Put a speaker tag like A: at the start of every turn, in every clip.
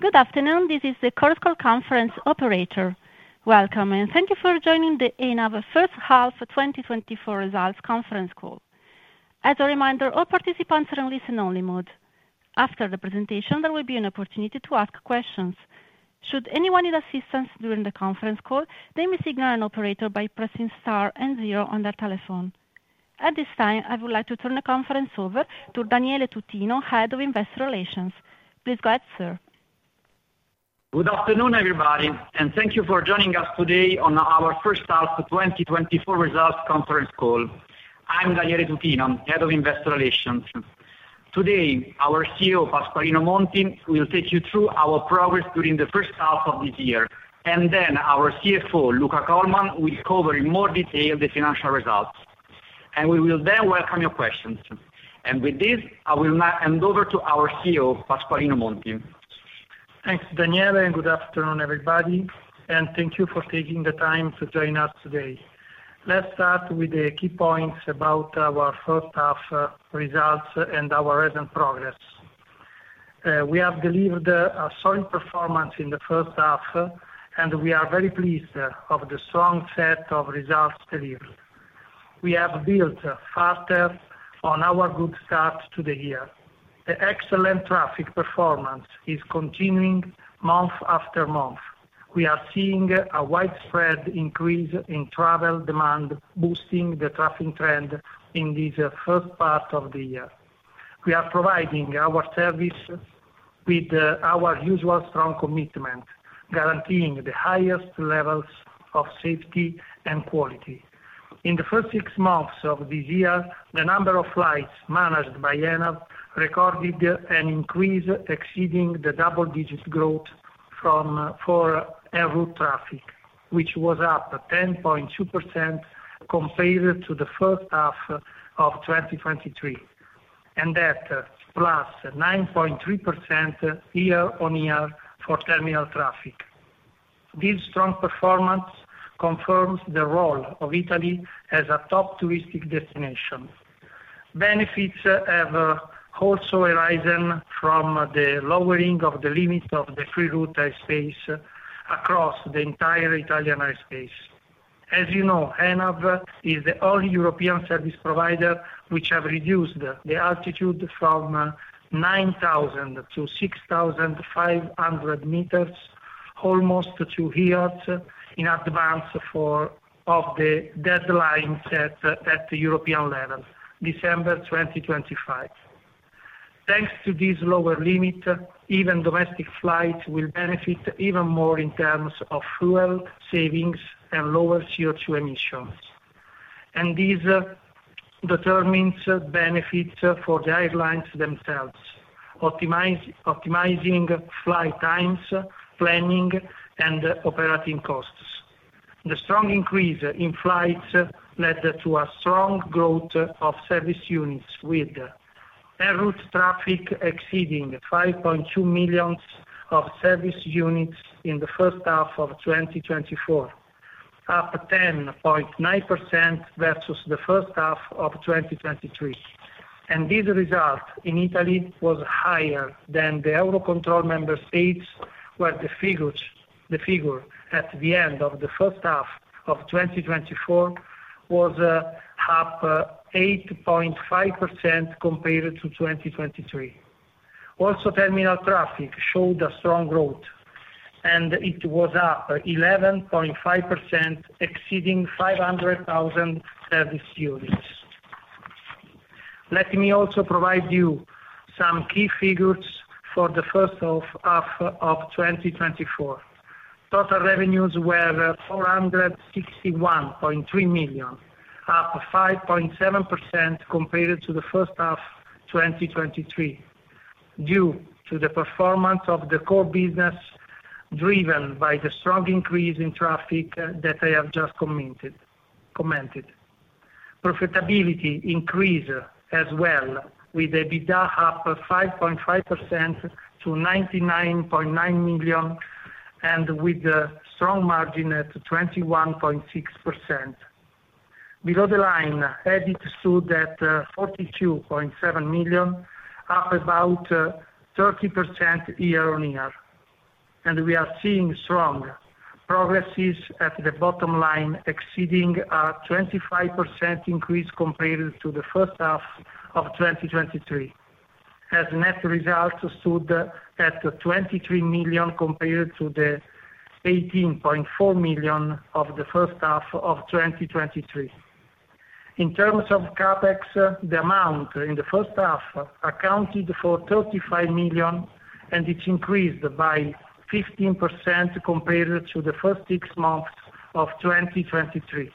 A: Good afternoon, this is the Chorus Call conference operator. Welcome, and thank you for joining the ENAV First Half 2024 Results Conference Call. As a reminder, all participants are in listen-only mode. After the presentation, there will be an opportunity to ask questions. Should anyone need assistance during the conference call, they may signal an operator by pressing star and zero on their telephone. At this time, I would like to turn the conference over to Daniele Tutino, Head of Investor Relations. Please go ahead, sir.
B: Good afternoon, everybody, and thank you for joining us today on our First Half 2024 Results Conference Call. I'm Daniele Tutino, Head of Investor Relations. Today, our CEO, Pasqualino Monti, will take you through our progress during the first half of this year, and then our CFO, Luca Colman, will cover in more detail the financial results. We will then welcome your questions. With this, I will now hand over to our CEO, Pasqualino Monti.
C: Thanks, Daniele, and good afternoon, everybody. Thank you for taking the time to join us today. Let's start with the key points about our First Half results and our recent progress. We have delivered a solid performance in the First Half, and we are very pleased with the strong set of results delivered. We have built faster on our good start to the year. The excellent traffic performance is continuing month after month. We are seeing a widespread increase in travel demand, boosting the traffic trend in this first part of the year. We are providing our services with our usual strong commitment, guaranteeing the highest levels of safety and quality. In the first six months of this year, the number of flights managed by ENAV recorded an increase exceeding the double-digit growth from en-route traffic, which was up 10.2% compared to the first half of 2023, and that's +9.3% year-on-year for terminal traffic. This strong performance confirms the role of Italy as a top touristic destination. Benefits have also arisen from the lowering of the limit of the Free Route Airspace across the entire Italian airspace. As you know, ENAV is the only European service provider which has reduced the altitude from 9,000 to 6,500 meters, almost two years, in advance of the deadline set at the European level, December 2025. Thanks to this lower limit, even domestic flights will benefit even more in terms of fuel savings and lower CO2 emissions. This determines benefits for the airlines themselves, optimizing flight times, planning, and operating costs. The strong increase in flights led to a strong growth of service units, with en-route traffic exceeding 5.2 million service units in the first half of 2024, up 10.9% versus the first half of 2023. This result in Italy was higher than the Eurocontrol member states, where the figure at the end of the first half of 2024 was up 8.5% compared to 2023. Also, terminal traffic showed a strong growth, and it was up 11.5%, exceeding 500,000 service units. Let me also provide you some key figures for the first half of 2024. Total revenues were 461.3 million, up 5.7% compared to the first half of 2023, due to the performance of the core business driven by the strong increase in traffic that I have just commented. Profitability increased as well, with EBITDA up 5.5% to 99.9 million, and with a strong margin at 21.6%. Below the line, EBIT stood at EUR 42.7 million, up about 30% year-on-year. We are seeing strong progresses at the bottom line, exceeding a 25% increase compared to the first half of 2023, as net results stood at 23 million compared to the 18.4 million of the first half of 2023. In terms of CapEx, the amount in the first half accounted for 35 million, and it increased by 15% compared to the first six months of 2023.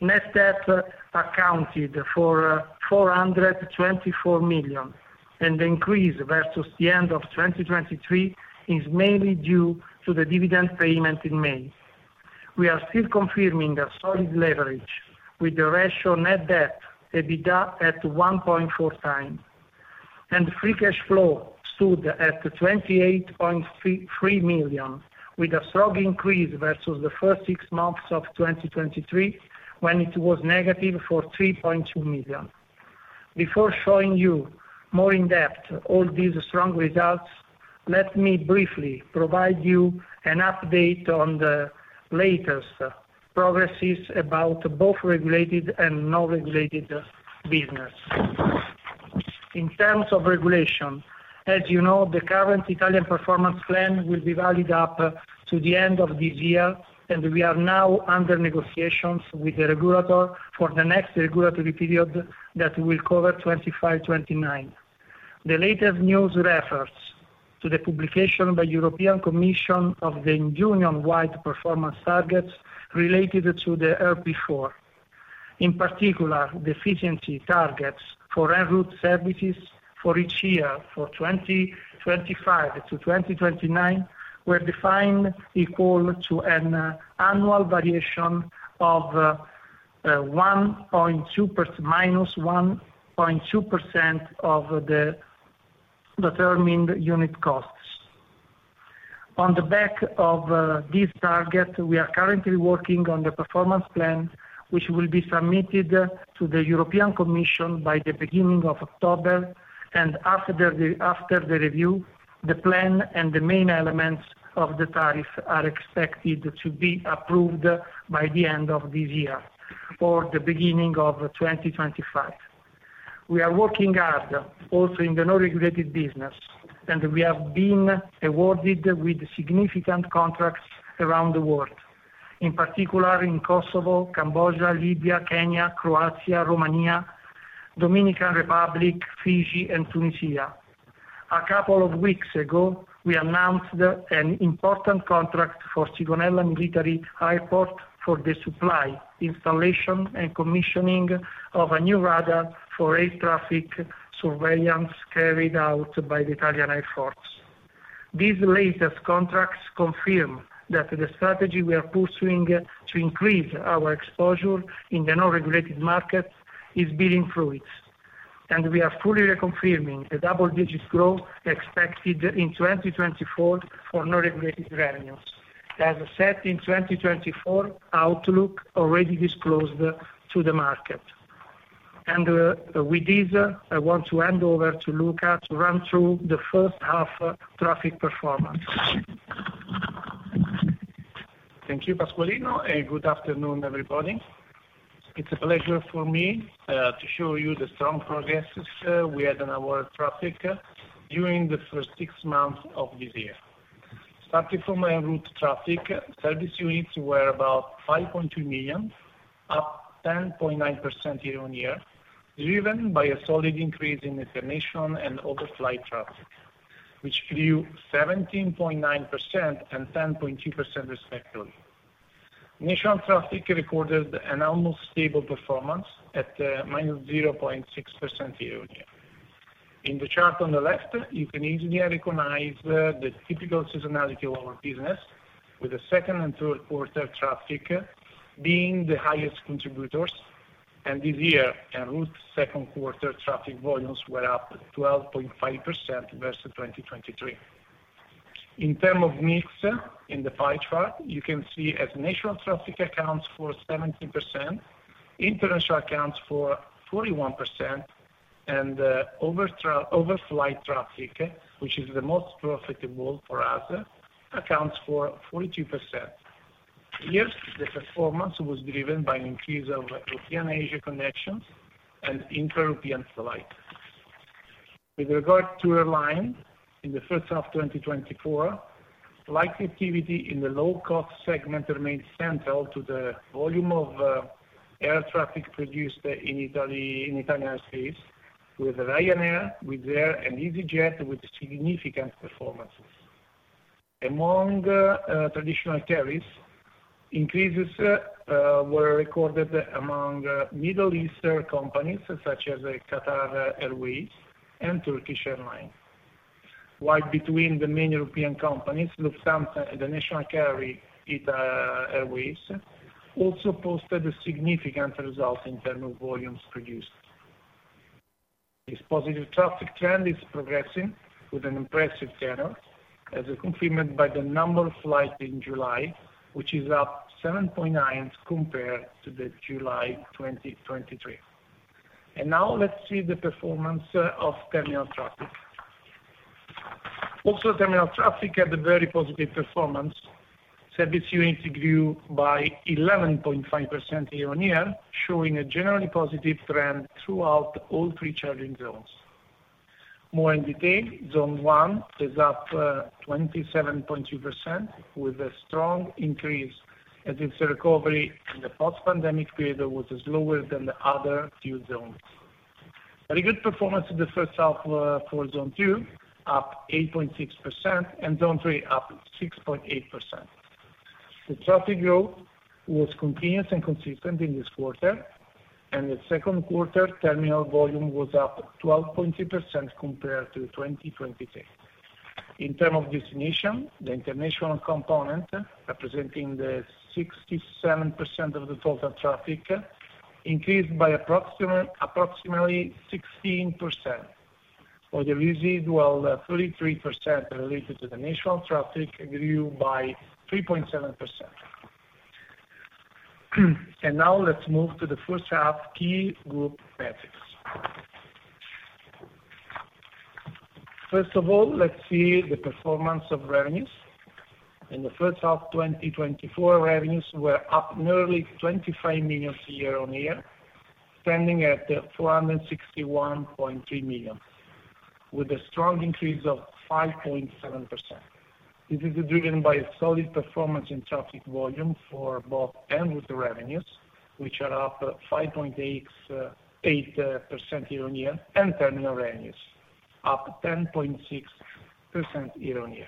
C: Net debt accounted for 424 million, and the increase versus the end of 2023 is mainly due to the dividend payment in May. We are still confirming a solid leverage, with the ratio net debt/EBITDA at 1.4 times. Free cash flow stood at 28.3 million, with a strong increase versus the first six months of 2023, when it was negative for 3.2 million. Before showing you more in depth all these strong results, let me briefly provide you an update on the latest progress about both regulated and non-regulated business. In terms of regulation, as you know, the current Italian Performance Plan will be valid up to the end of this year, and we are now under negotiations with the regulator for the next regulatory period that will cover 2025-2029. The latest news refers to the publication by the European Commission of the Union-wide performance targets related to the RP4. In particular, the efficiency targets for en-route services for each year from 2025 to 2029 were defined equal to an annual variation of 1.2% minus 1.2% of the determined unit costs. On the back of this target, we are currently working on the Performance Plan, which will be submitted to the European Commission by the beginning of October. After the review, the plan and the main elements of the tariff are expected to be approved by the end of this year or the beginning of 2025. We are working hard also in the non-regulated business, and we have been awarded with significant contracts around the world, in particular in Kosovo, Cambodia, Libya, Kenya, Croatia, Romania, Dominican Republic, Fiji, and Tunisia. A couple of weeks ago, we announced an important contract for Sigonella Military Airport for the supply, installation, and commissioning of a new radar for air traffic surveillance carried out by the Italian Air Force. These latest contracts confirm that the strategy we are pursuing to increase our exposure in the non-regulated market is being fruited, and we are fully reconfirming the double-digit growth expected in 2024 for non-regulated revenues, as set in 2024 outlook already disclosed to the market. With this, I want to hand over to Luca to run through the first half traffic performance.
D: Thank you, Pasqualino, and good afternoon, everybody. It's a pleasure for me to show you the strong progress we had in our traffic during the first six months of this year. Starting from en-route traffic, service units were about 5.2 million, up 10.9% year-on-year, driven by a solid increase in international and overflight traffic, which flew 17.9% and 10.2%, respectively. National traffic recorded an almost stable performance at minus 0.6% year-on-year. In the chart on the left, you can easily recognize the typical seasonality of our business, with the second and third quarter traffic being the highest contributors. This year, en-route second quarter traffic volumes were up 12.5% versus 2023. In terms of mix in the pie chart, you can see as national traffic accounts for 17%, international accounts for 41%, and overflight traffic, which is the most profitable for us, accounts for 42%. Here, the performance was driven by an increase of European-Asia connections and inter-European flights. With regard to airlines, in the first half of 2024, flight activity in the low-cost segment remained central to the volume of air traffic produced in Italian airspace, with Ryanair, Wizz Air, and easyJet with significant performances. Among traditional carriers, increases were recorded among Middle Eastern companies such as Qatar Airways and Turkish Airlines. While between the main European companies, Lufthansa and the national carrier, ITA Airways, also posted significant results in terms of volumes produced. This positive traffic trend is progressing with an impressive tenor, as confirmed by the number of flights in July, which is up 7.9% compared to July 2023. Now let's see the performance of terminal traffic. Also, terminal traffic had a very positive performance. Service units grew by 11.5% year-on-year, showing a generally positive trend throughout all three charging zones. More in detail, Zone 1 is up 27.2%, with a strong increase as its recovery in the post-pandemic period was slower than the other two zones. Very good performance in the first half for Zone 2, up 8.6%, and Zone 3 up 6.8%. The traffic growth was continuous and consistent in this quarter, and the second quarter terminal volume was up 12.3% compared to 2023. In terms of destination, the international component representing 67% of the total traffic increased by approximately 16%, while the residual 33% related to the national traffic grew by 3.7%. And now let's move to the first half key group metrics. First of all, let's see the performance of revenues. In the first half of 2024, revenues were up nearly 25 million year-on-year, standing at 461.3 million, with a strong increase of 5.7%. This is driven by a solid performance in traffic volume for both en-route revenues, which are up 5.8% year-on-year, and terminal revenues, up 10.6% year-on-year.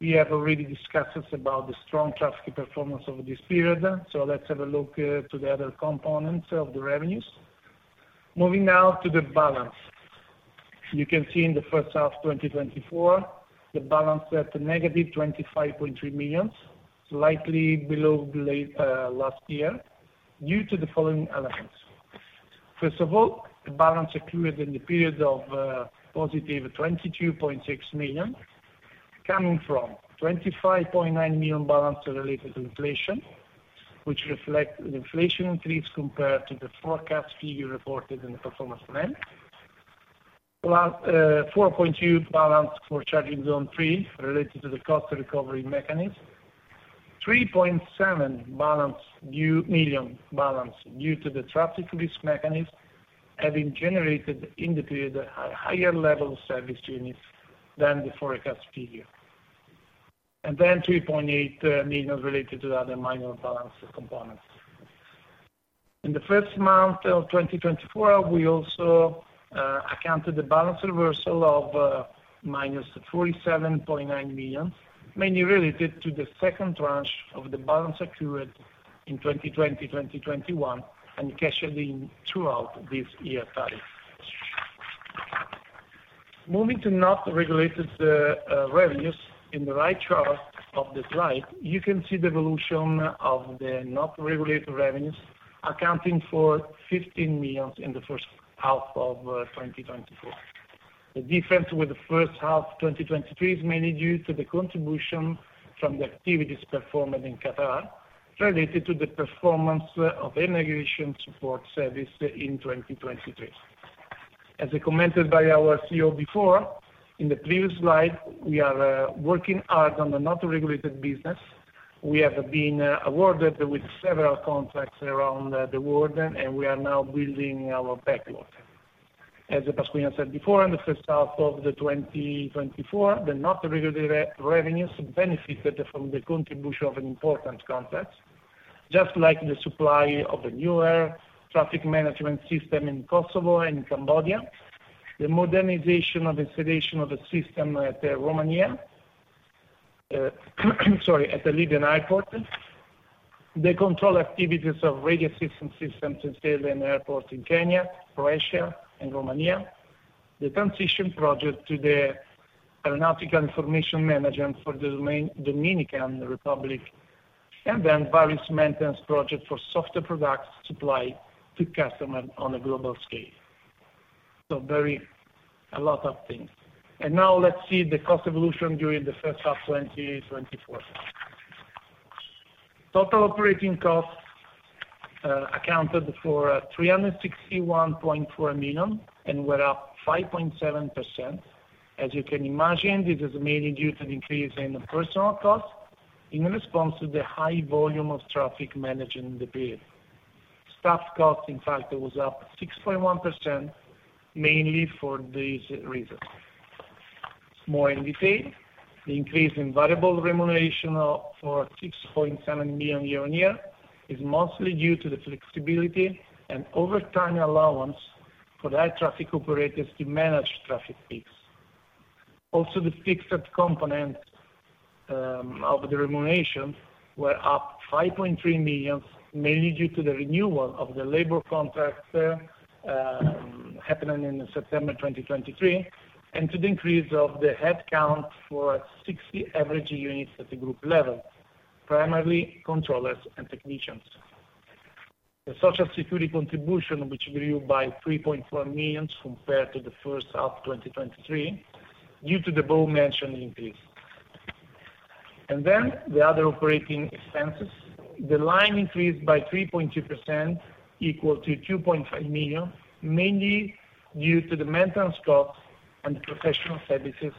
D: We have already discussed about the strong traffic performance of this period, so let's have a look at the other components of the revenues. Moving now to the balance. You can see in the first half of 2024, the balance at negative 25.3 million, slightly below last year, due to the following elements. First of all, the balance accrued in the period of positive 22.6 million, coming from 25.9 million balance related to inflation, which reflects the inflation increase compared to the forecast figure reported in the Performance Plan. 4.2 million balance for Charging Zone 3 related to the Cost Recovery Mechanism. 3.7 million balance due to the Traffic Risk Mechanism having generated in the period a higher level of service units than the forecast figure. Then 3.8 million related to other minor balance components. In the first month of 2024, we also accounted the balance reversal of minus 47.9 million, mainly related to the second tranche of the balance accrued in 2020-2021 and cashed in throughout this year tariffs. Moving to non-regulated revenues, in the right chart of the slide, you can see the evolution of the non-regulated revenues accounting for 15 million in the first half of 2024. The difference with the first half of 2023 is mainly due to the contribution from the activities performed in Qatar related to the performance of air navigation support service in 2023. As I commented by our CEO before, in the previous slide, we are working hard on the not regulated business. We have been awarded with several contracts around the world, and we are now building our backlog. As Pasqualino said before, in the first half of 2024, the not regulated revenues benefited from the contribution of an important contract. Just like the supply of a new air traffic management system in Kosovo and Cambodia, the modernization of installation of a system at Romania, sorry, at the Libyan airport, the control activities of radio assistance systems installed in airports in Kenya, Croatia, and Romania, the transition project to the aeronautical information management for the Dominican Republic, and then various maintenance projects for software products supplied to customers on a global scale. So very a lot of things. And now let's see the cost evolution during the first half of 2024. Total operating costs accounted for 361.4 million and were up 5.7%. As you can imagine, this is mainly due to the increase in personnel costs in response to the high volume of traffic managed in the period. Staff costs, in fact, was up 6.1%, mainly for these reasons. More in detail, the increase in variable remuneration for 6.7 million year-on-year is mostly due to the flexibility and overtime allowance for air traffic operators to manage traffic peaks. Also, the fixed components of the remuneration were up 5.3 million, mainly due to the renewal of the labor contract happening in September 2023, and to the increase of the headcount for 60 average units at the group level, primarily controllers and technicians. The social security contribution, which grew by 3.4 million compared to the first half of 2023, due to the above-mentioned increase. And then the other operating expenses. The line increased by 3.2%, equal to 2.5 million, mainly due to the maintenance costs and professional services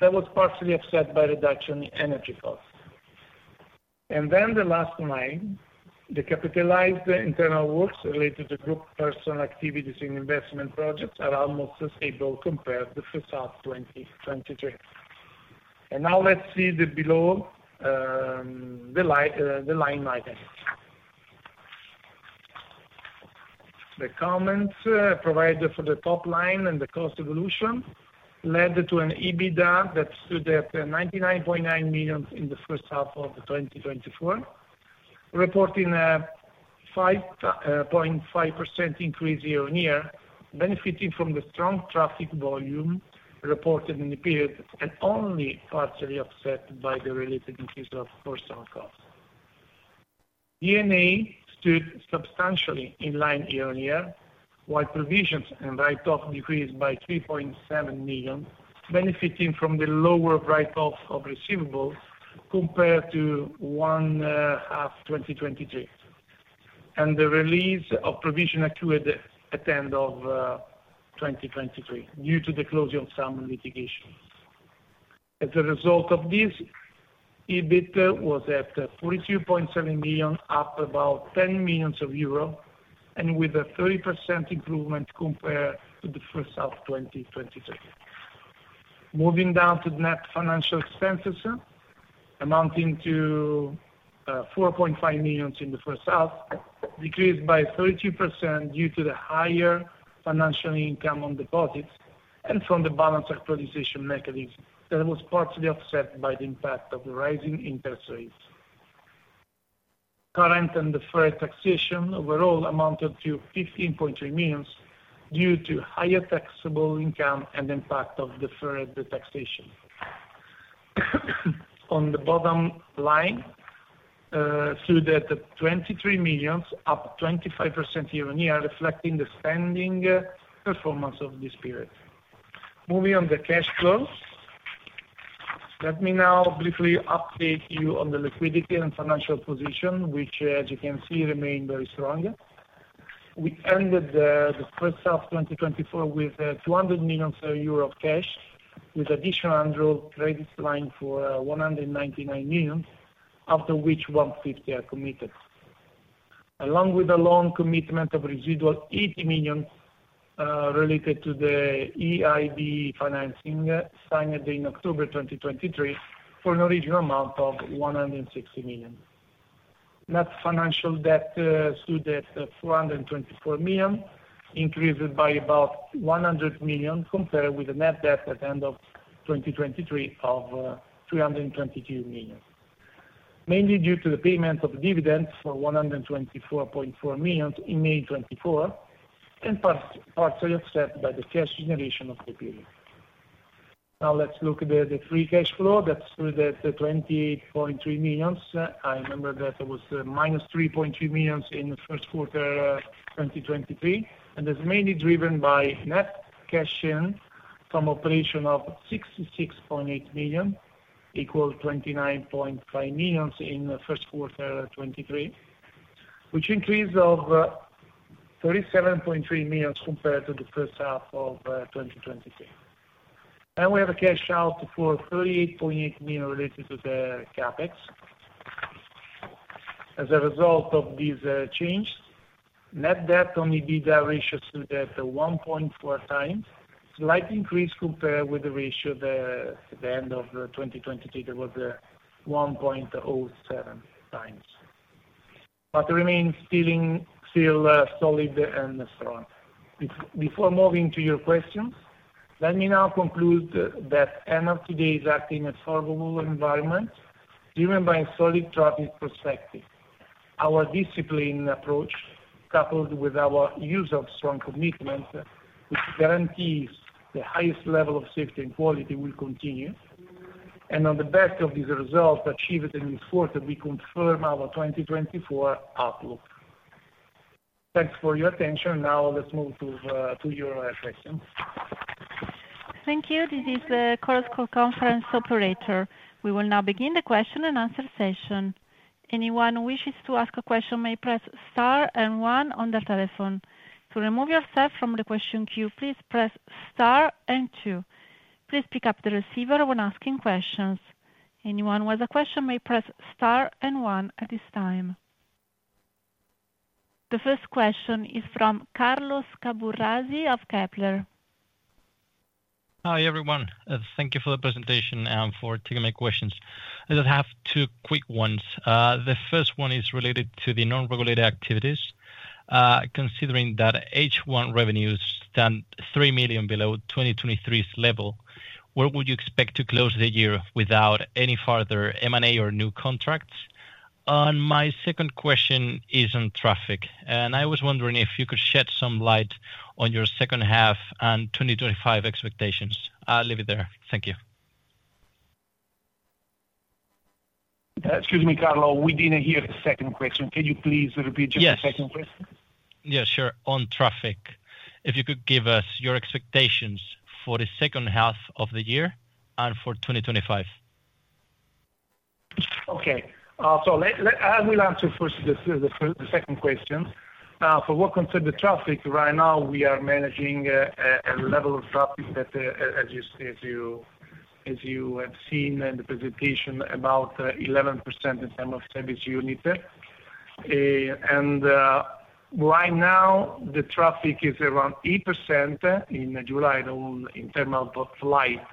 D: that were partially offset by reduction in energy costs. Then the last line, the capitalized internal works related to group personal activities and investment projects are almost stable compared to the first half of 2023. Now let's see the below-the-line items. The comments provided for the top line and the cost evolution led to an EBITDA that stood at 99.9 million in the first half of 2024, reporting a 5.5% increase year-on-year, benefiting from the strong traffic volume reported in the period and only partially offset by the related increase of personal costs. EBIT stood substantially in line year-on-year, while provisions and write-offs decreased by 3.7 million, benefiting from the lower write-off of receivables compared to the first half of 2023. The release of provisions accrued at the end of 2023 due to the closing of some litigations. As a result of this, EBITDA was at 42.7 million, up about 10 million euro, and with a 30% improvement compared to the first half of 2023. Moving down to net financial expenses, amounting to 4.5 million in the first half, decreased by 32% due to the higher financial income on deposits and from the balance actualization mechanism that was partially offset by the impact of rising interest rates. Current and deferred taxation overall amounted to 15.3 million due to higher taxable income and impact of deferred taxation. On the bottom line, stood at 23 million, up 25% year-on-year, reflecting the spending performance of this period. Moving on to cash flows. Let me now briefly update you on the liquidity and financial position, which, as you can see, remained very strong. We ended the first half of 2024 with 200 million euro of cash, with additional undrawn credit line for 199 million, after which 150 are committed, along with a loan commitment of residual 80 million related to the EIB financing signed in October 2023 for an original amount of 160 million. Net financial debt stood at 424 million, increased by about 100 million compared with the net debt at the end of 2023 of 322 million, mainly due to the payment of dividends for 124.4 million in May 2024 and partially offset by the cash generation of the period. Now let's look at the free cash flow that stood at 28.3 million. I remember that it was -3.3 million in the first quarter of 2023, and it's mainly driven by net cash in from operation of 66.8 million, equal to 29.5 million in the first quarter of 2023, which increased of 37.3 million compared to the first half of 2023. We have a cash out for 38.8 million related to the CapEx. As a result of these changes, net debt on EBITDA ratio stood at 1.4 times, slight increase compared with the ratio at the end of 2023 that was 1.07 times. It remains still solid and strong. Before moving to your questions, let me now conclude that ENAV today is acting in a favorable environment, driven by a solid traffic perspective. Our disciplined approach, coupled with our use of strong commitments, which guarantees the highest level of safety and quality, will continue. On the back of these results achieved in this quarter, we confirm our 2024 outlook. Thanks for your attention. Now let's move to your questions.
A: Thank you. This is the Chorus Call operator. We will now begin the question and answer session. Anyone who wishes to ask a question may press star and 1 on their telephone. To remove yourself from the question queue, please press star and 2. Please pick up the receiver when asking questions. Anyone who has a question may press star and 1 at this time. The first question is from Carlos Carbonero of Kepler Cheuvreux. Hi, everyone. Thank you for the presentation and for taking my questions. I just have two quick ones. The first one is related to the non-regulated activities.
E: Considering that H1 revenues stand 3 million below 2023's level, where would you expect to close the year without any further M&A or new contracts? And my second question is on traffic. And I was wondering if you could shed some light on your second half and 2025 expectations. I'll leave it there. Thank you.
C: Excuse me, Carlos. We didn't hear the second question. Can you please repeat just the second question?
E: Yes, sure. On traffic, if you could give us your expectations for the second half of the year and for 2025.
C: Okay. So I will answer first the second question. For what concerns the traffic, right now we are managing a level of traffic that, as you have seen in the presentation, is about 11% in terms of service units. Right now, the traffic is around 8% in July in terms of flight,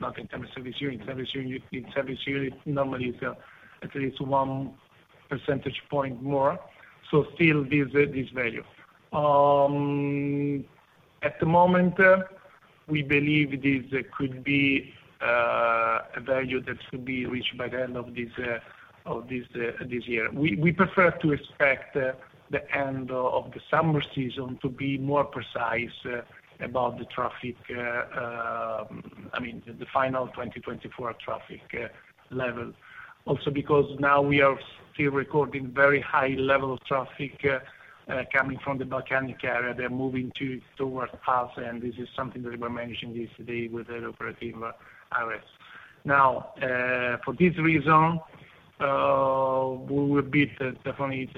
C: not in terms of service units. Service unit normally is at least one percentage point more. So still, this value. At the moment, we believe this could be a value that could be reached by the end of this year. We prefer to expect the end of the summer season to be more precise about the traffic, I mean, the final 2024 traffic level. Also, because now we are still recording very high level of traffic coming from the Balkans. They're moving towards us, and this is something that we're managing yesterday with the operative areas. Now, for this reason, we will beat definitely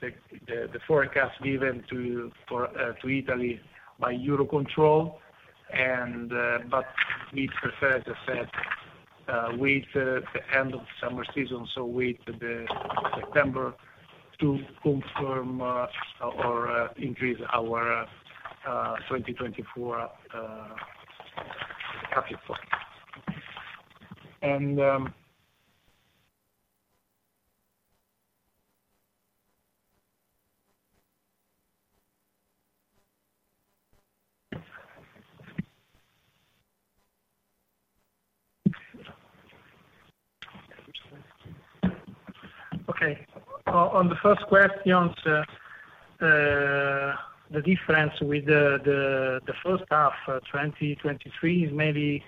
C: the forecast given to Italy by Eurocontrol. But we prefer, as I said, to wait to the end of the summer season, so wait to September to confirm or increase our 2024 traffic flow. Okay. On the first question, the difference with the first half of 2023 is mainly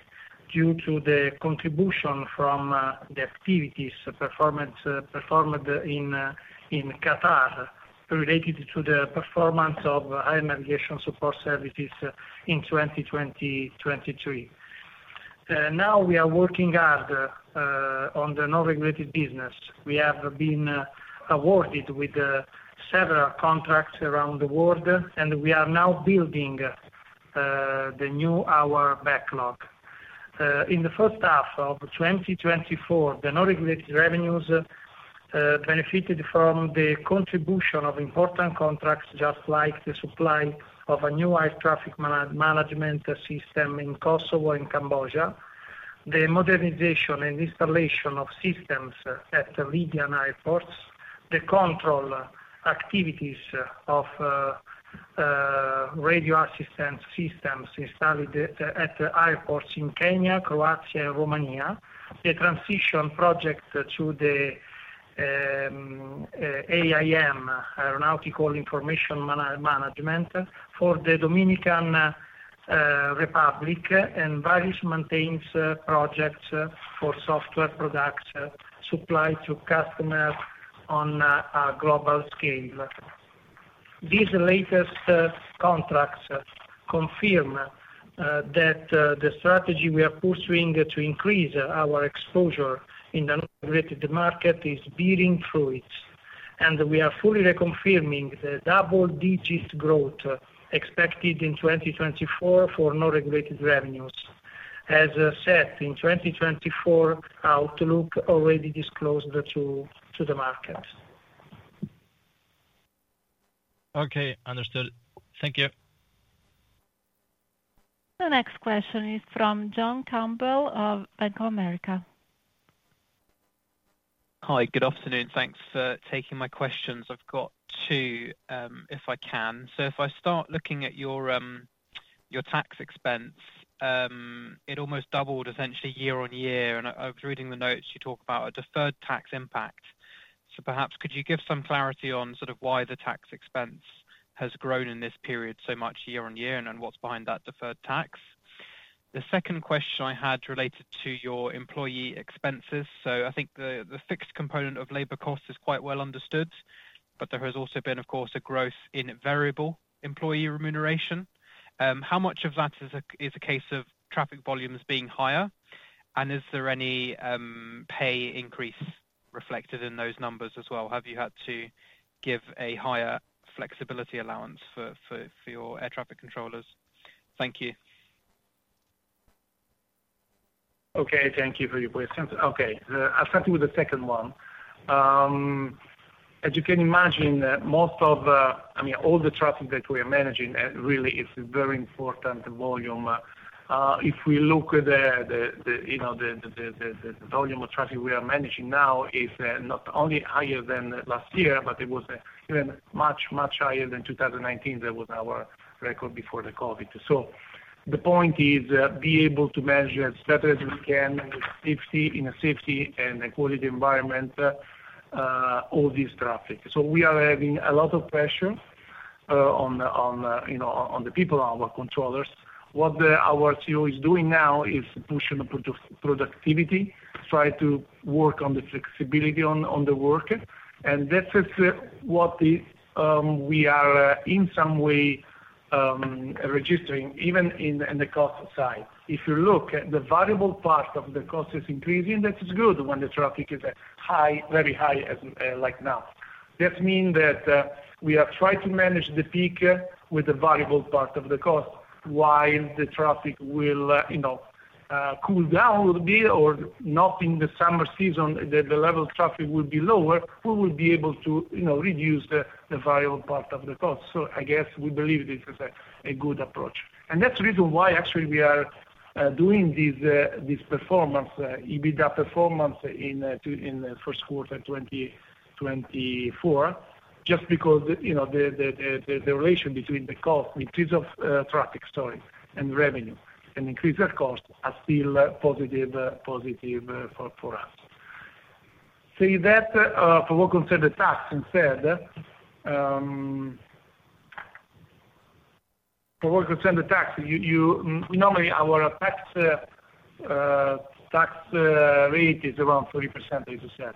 C: due to the contribution from the activities performed in Qatar related to the performance of air navigation support services in 2023. Now we are working hard on the non-regulated business. We have been awarded with several contracts around the world, and we are now building the new order backlog. In the first half of 2024, the non-regulated revenues benefited from the contribution of important contracts, just like the supply of a new air traffic management system in Kosovo and Cambodia, the modernization and installation of systems at Libyan airports, the control activities of radio assistance systems installed at airports in Kenya, Croatia, and Romania, the transition project to the AIM, Aeronautical Information Management, for the Dominican Republic, and various maintenance projects for software products supplied to customers on a global scale. These latest contracts confirm that the strategy we are pursuing to increase our exposure in the non-regulated market is bearing fruits. We are fully reconfirming the double-digit growth expected in 2024 for non-regulated revenues. As I said, in 2024, our outlook is already disclosed to the market.
E: Okay. Understood. Thank you.
A: The next question is from John Campbell of Bank of America.
F: Hi. Good afternoon. Thanks for taking my questions. I've got two, if I can. So if I start looking at your tax expense, it almost doubled essentially year-on-year. And I was reading the notes you talk about a deferred tax impact. So perhaps could you give some clarity on sort of why the tax expense has grown in this period so much year-on-year and what's behind that deferred tax? The second question I had related to your employee expenses. So I think the fixed component of labor cost is quite well understood, but there has also been, of course, a growth in variable employee remuneration. How much of that is a case of traffic volumes being higher? And is there any pay increase reflected in those numbers as well? Have you had to give a higher flexibility allowance for your air traffic controllers? Thank you.
C: Okay. Thank you for your questions. Okay. I'll start with the second one. As you can imagine, most of, I mean, all the traffic that we are managing really is a very important volume. If we look at the volume of traffic we are managing now, it's not only higher than last year, but it was even much, much higher than 2019. That was our record before the COVID. So the point is to be able to manage as better as we can in a safety and quality environment all this traffic. So we are having a lot of pressure on the people, our controllers. What our CEO is doing now is pushing productivity, trying to work on the flexibility on the work. And that's what we are in some way registering, even in the cost side. If you look at the variable part of the cost is increasing, that is good when the traffic is very high like now. That means that we have tried to manage the peak with the variable part of the cost while the traffic will cool down a bit or not in the summer season. The level of traffic will be lower. We will be able to reduce the variable part of the cost. So I guess we believe this is a good approach. And that's the reason why, actually, we are doing this performance, EBITDA performance in the first quarter of 2024, just because the relation between the cost, the increase of traffic, sorry, and revenue, and the increase of cost are still positive for us. Say that for what concerns the tax instead. For what concerns the tax, normally our tax rate is around 30%, as you said,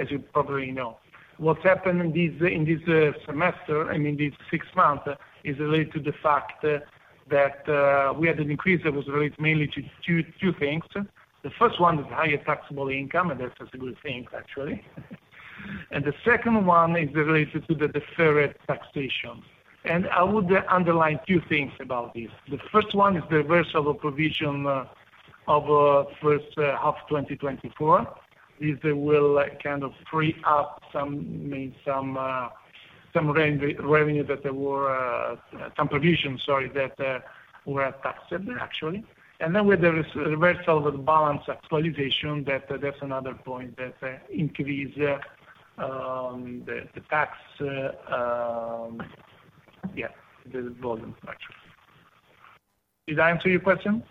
C: as you probably know. What's happened in this semester, I mean, these six months, is related to the fact that we had an increase that was related mainly to two things. The first one is higher taxable income, and that's a good thing, actually. And the second one is related to the deferred taxation. And I would underline two things about this. The first one is the reversal of provision of first half of 2024. This will kind of free up some revenue that were some provisions, sorry, that were taxed, actually. And then with the reversal of the balance actualization, that's another point that increases the tax, yeah, the volume, actually. Did I answer your question?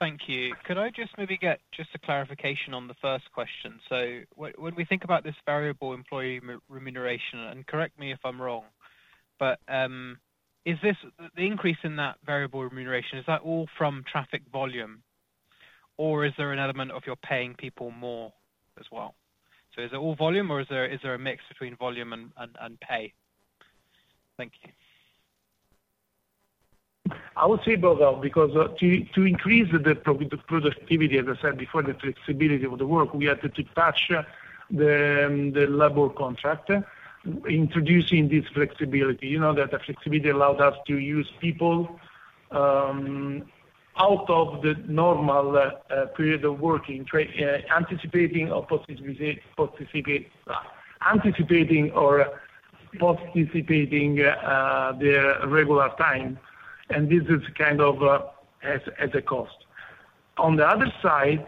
F: Thank you. Could I just maybe get just a clarification on the first question? So when we think about this variable employee remuneration, and correct me if I'm wrong, but is this the increase in that variable remuneration, is that all from traffic volume, or is there an element of you're paying people more as well? So is it all volume, or is there a mix between volume and pay? Thank you.
D: I would say both of them because to increase the productivity, as I said before, the flexibility of the work, we had to touch the labor contract, introducing this flexibility. That flexibility allowed us to use people out of the normal period of working, anticipating or posticipating their regular time. And this is kind of as a cost. On the other side,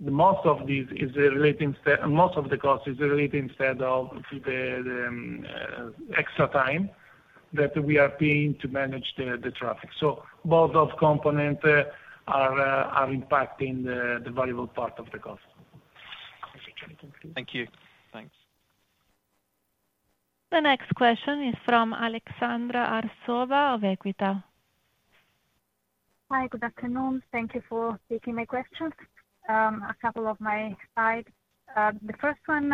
D: most of this is relating to most of the cost is related instead to the extra time that we are paying to manage the traffic. So both of the components are impacting the variable part of the cost. Thank you.
F: Thanks.
A: The next question is from Aleksandra Arsova of Equita.
G: Hi. Good afternoon. Thank you for taking my questions. A couple of my side. The first one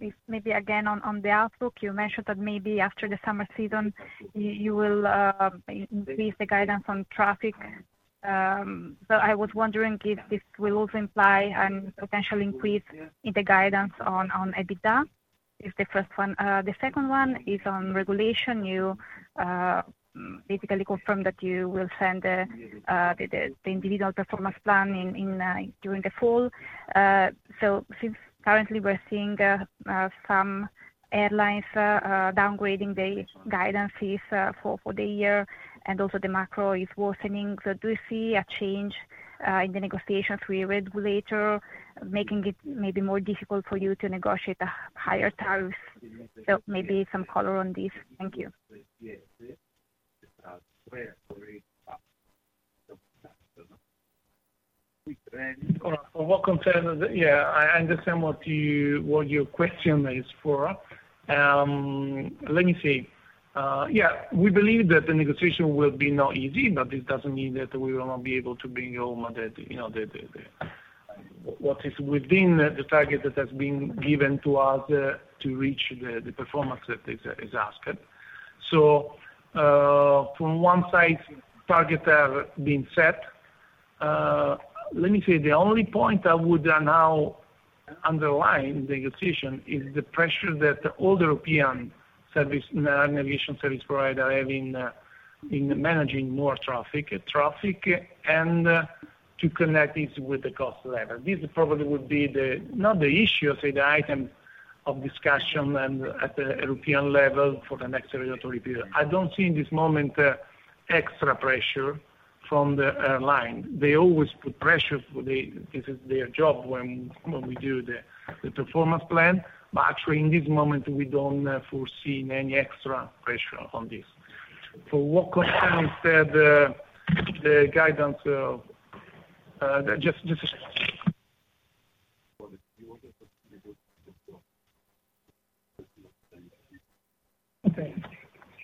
G: is maybe again on the outlook. You mentioned that maybe after the summer season, you will increase the guidance on traffic. So I was wondering if this will also imply and potentially increase in the guidance on EBITDA is the first one. The second one is on regulation. You basically confirmed that you will send the individual Performance Plan during the fall. So since currently we're seeing some airlines downgrading their guidances for the year, and also the macro is worsening. So do you see a change in the negotiations with regulator, making it maybe more difficult for you to negotiate a higher tariff? So maybe some color on this. Thank you.
D: Yeah. I understand what your question is for. Let me see. Yeah. We believe that the negotiation will be not easy, but this doesn't mean that we will not be able to bring home what is within the target that has been given to us to reach the performance that is asked. So from one side, targets have been set. Let me say the only point I would now underline in the negotiation is the pressure that all the European navigation service providers are having in managing more traffic and to connect this with the cost level. This probably would be not the issue, I say, the item of discussion at the European level for the next regulatory period. I don't see in this moment extra pressure from the airline. They always put pressure. This is their job when we do the Performance Plan. But actually, in this moment, we don't foresee any extra pressure on this. For what concerns the guidance, just a second. Okay.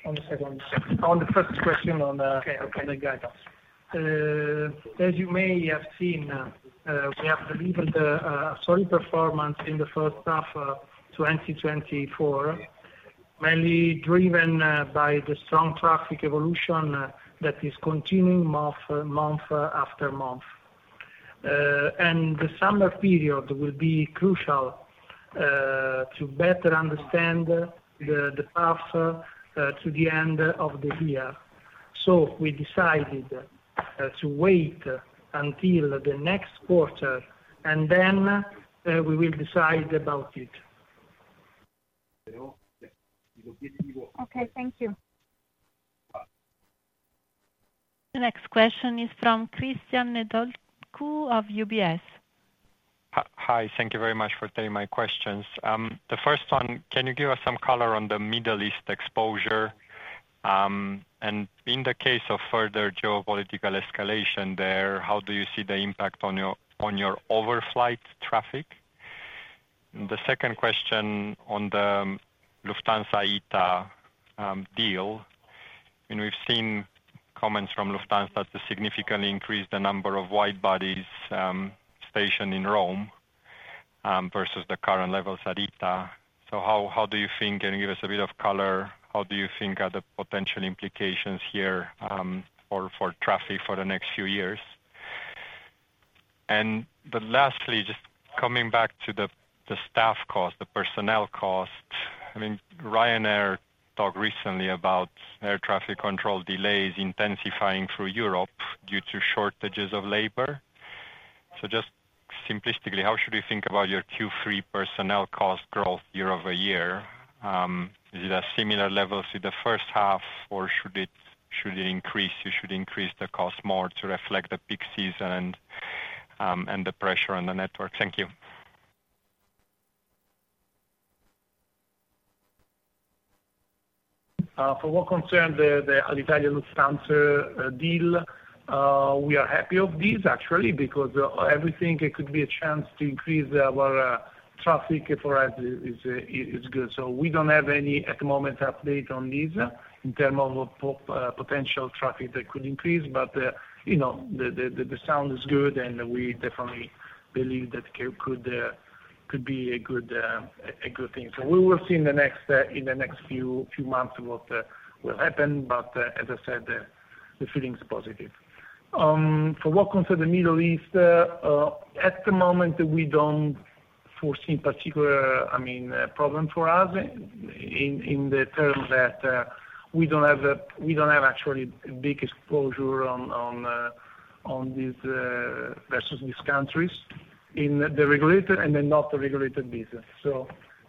D: On the second. On the first question on the guidance. As you may have seen, we have delivered a solid performance in the first half of 2024, mainly driven by the strong traffic evolution that is continuing month after month. And the summer period will be crucial to better understand the path to the end of the year. So we decided to wait until the next quarter, and then we will decide about it.
G: Okay. Thank you.
A: The next question is from Cristian Nedelcu of UBS.
H: Hi. Thank you very much for taking my questions. The first one, can you give us some color on the Middle East exposure? In the case of further geopolitical escalation there, how do you see the impact on your overflight traffic? And the second question on the Lufthansa-ITA deal. We've seen comments from Lufthansa to significantly increase the number of wide bodies stationed in Rome versus the current levels at ITA. So how do you think, and give us a bit of color, how do you think are the potential implications here for traffic for the next few years? And lastly, just coming back to the staff cost, the personnel cost. I mean, Ryanair talked recently about air traffic control delays intensifying through Europe due to shortages of labor. So just simplistically, how should you think about your Q3 personnel cost growth year-over-year? Is it at similar levels in the first half, or should it increase? You should increase the cost more to reflect the peak season and the pressure on the network. Thank you.
D: For what concerns the Italian Lufthansa deal, we are happy of this, actually, because everything could be a chance to increase our traffic for us is good. So we don't have any at the moment update on this in terms of potential traffic that could increase. But the sound is good, and we definitely believe that could be a good thing. So we will see in the next few months what will happen. But as I said, the feeling is positive. For what concerns the Middle East, at the moment, we don't foresee particular, I mean, problem for us in the term that we don't have actually big exposure on this versus these countries in the regulated and then not the regulated business. So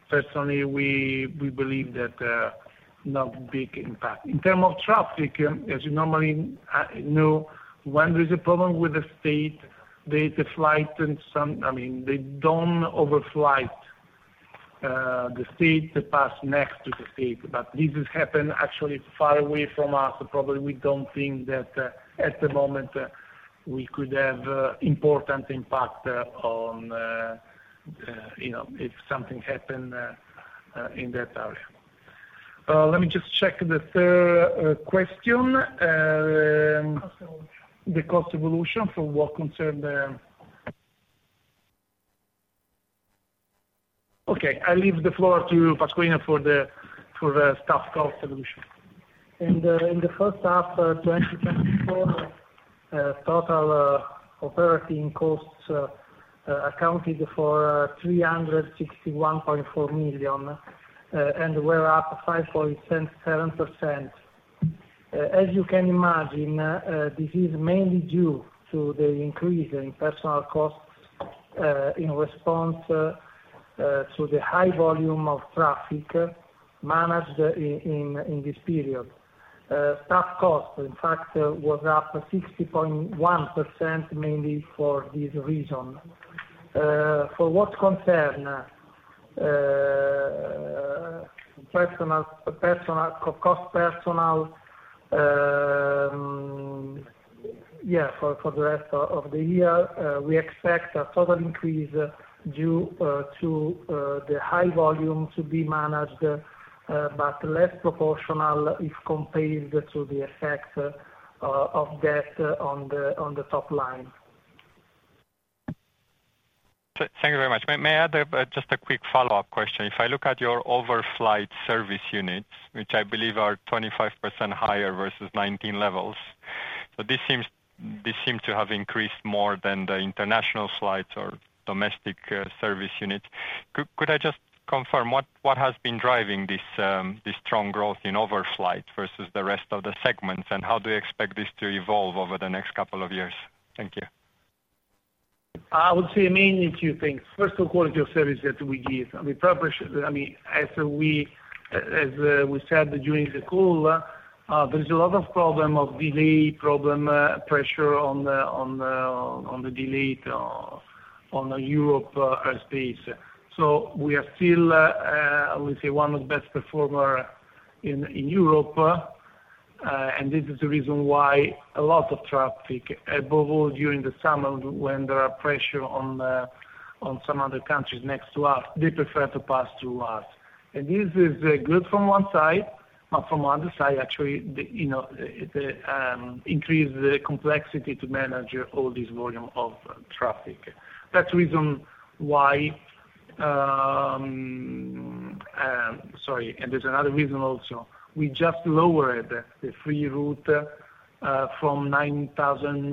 D: personally, we believe that no big impact. In terms of traffic, as you normally know, when there is a problem with the state, there is a flight and some, I mean, they don't overflight the state to pass next to the state. But this has happened actually far away from us. So probably we don't think that at the moment we could have important impact on if something happened in that area. Let me just check the third question. The cost evolution. The cost evolution for what concerns the. Okay. I leave the floor to Pasqualino for the staff cost evolution.
C: In the first half of 2024, total operating costs accounted for 361.4 million, and we're up 5.7%. As you can imagine, this is mainly due to the increase in personal costs in response to the high volume of traffic managed in this period. Staff cost, in fact, was up 60.1% mainly for this reason. For what concerns personnel costs, yeah, for the rest of the year, we expect a total increase due to the high volume to be managed, but less proportional if compared to the effect of that on the top line.
H: Thank you very much. May I add just a quick follow-up question? If I look at your overflight service units, which I believe are 25% higher versus 2019 levels, so this seems to have increased more than the international flights or domestic service units. Could I just confirm what has been driving this strong growth in overflight versus the rest of the segments, and how do you expect this to evolve over the next couple of years? Thank you.
D: I would say mainly two things. First, the quality of service that we give. I mean, as we said during the call, there's a lot of problem of delay problem, pressure on the delay on the Europe airspace. So we are still, let's say, one of the best performers in Europe, and this is the reason why a lot of traffic, above all during the summer when there are pressure on some other countries next to us, they prefer to pass through us. And this is good from one side, but from the other side, actually, the increased complexity to manage all this volume of traffic. That's the reason why sorry, and there's another reason also. We just lowered the free route from 9,000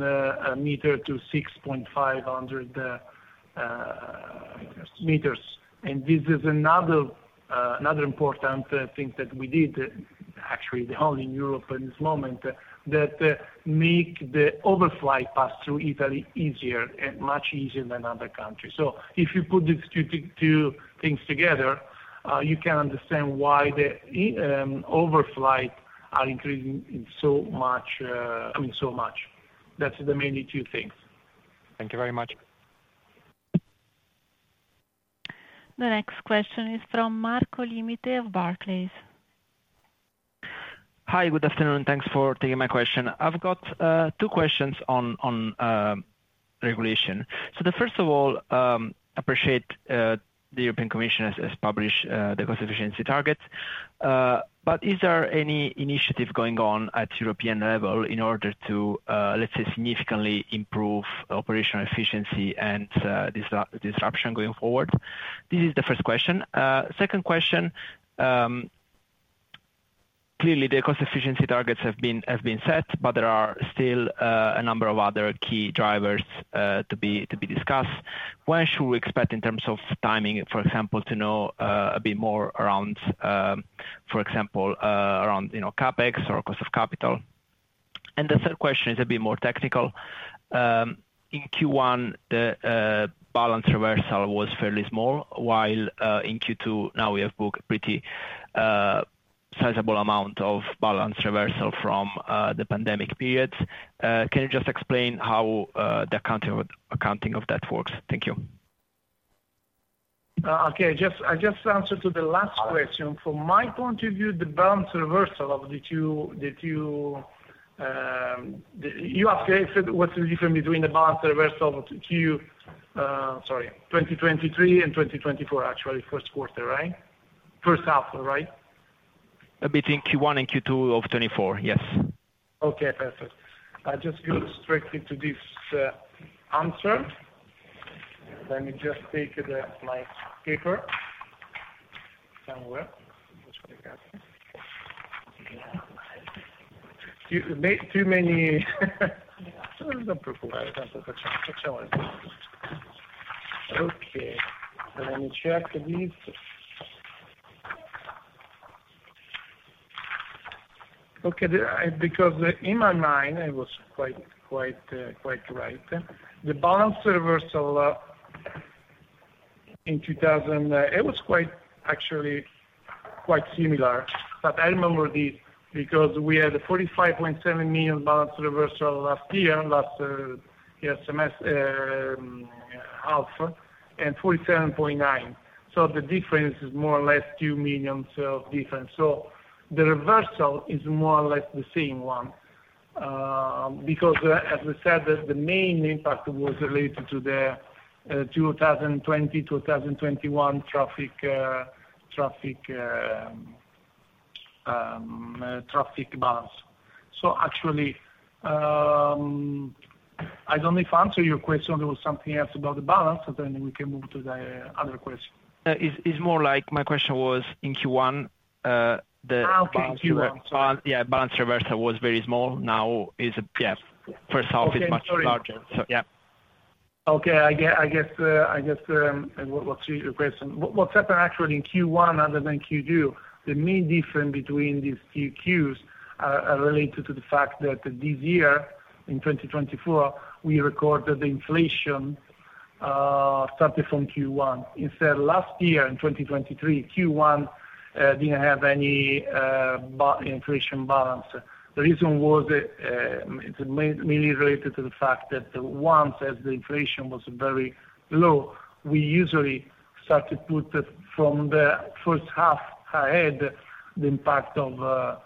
D: meters to 6,500 meters. And this is another important thing that we did, actually the only in Europe at this moment, that makes the overflight pass through Italy easier and much easier than other countries. So if you put these two things together, you can understand why the overflight is increasing so much. I mean, so much. That's mainly the two things.
H: Thank you very much.
A: The next question is from Marco Limite of Barclays.
I: Hi. Good afternoon. Thanks for taking my question. I've got two questions on regulation. So first of all, I appreciate the European Commission has published the cost efficiency targets. But is there any initiative going on at European level in order to, let's say, significantly improve operational efficiency and disruption going forward? This is the first question. Second question. Clearly, the cost efficiency targets have been set, but there are still a number of other key drivers to be discussed. When should we expect in terms of timing, for example, to know a bit more around, for example, around CapEx or cost of capital? The third question is a bit more technical. In Q1, the Balance Reversal was fairly small, while in Q2, now we have booked a pretty sizable amount of Balance Reversal from the pandemic periods. Can you just explain how the accounting of that works? Thank you.
D: Okay. I just answered to the last question. From my point of view, the Balance Reversal of the Q you asked what's the difference between the Balance Reversal of Q sorry, 2023 and 2024, actually, first quarter, right? First half, right? Between Q1 and Q2 of 2024.
I: Yes.
D: Okay. Perfect. I just go straight into this answer. Let me just take my paper somewhere. Too many. Don't prepare for such a long time. Okay. Let me check this. Okay. Because in my mind, I was quite right. The Balance Reversal in 2000, it was actually quite similar. But I remember this because we had 45.7 million Balance Reversal last year last half, and 47.9 million. So the difference is more or less 2 million of difference. So the reversal is more or less the same one because, as I said, the main impact was related to the 2020, 2021 traffic balance. So actually, I don't know if I answered your question. There was something else about the balance, and then we can move to the other question. Is more like my question was in Q1. The Balance Reversal. Yeah. Balance Reversal was very small. Now, yeah, first half is much larger. Yeah. Okay. I guess what's your question? What's happened actually in Q1 other than Q2? The main difference between these two Qs are related to the fact that this year, in 2024, we recorded the inflation started from Q1. Instead, last year, in 2023, Q1 didn't have any inflation balance. The reason was mainly related to the fact that once as the inflation was very low, we usually start to put from the first half ahead the impact of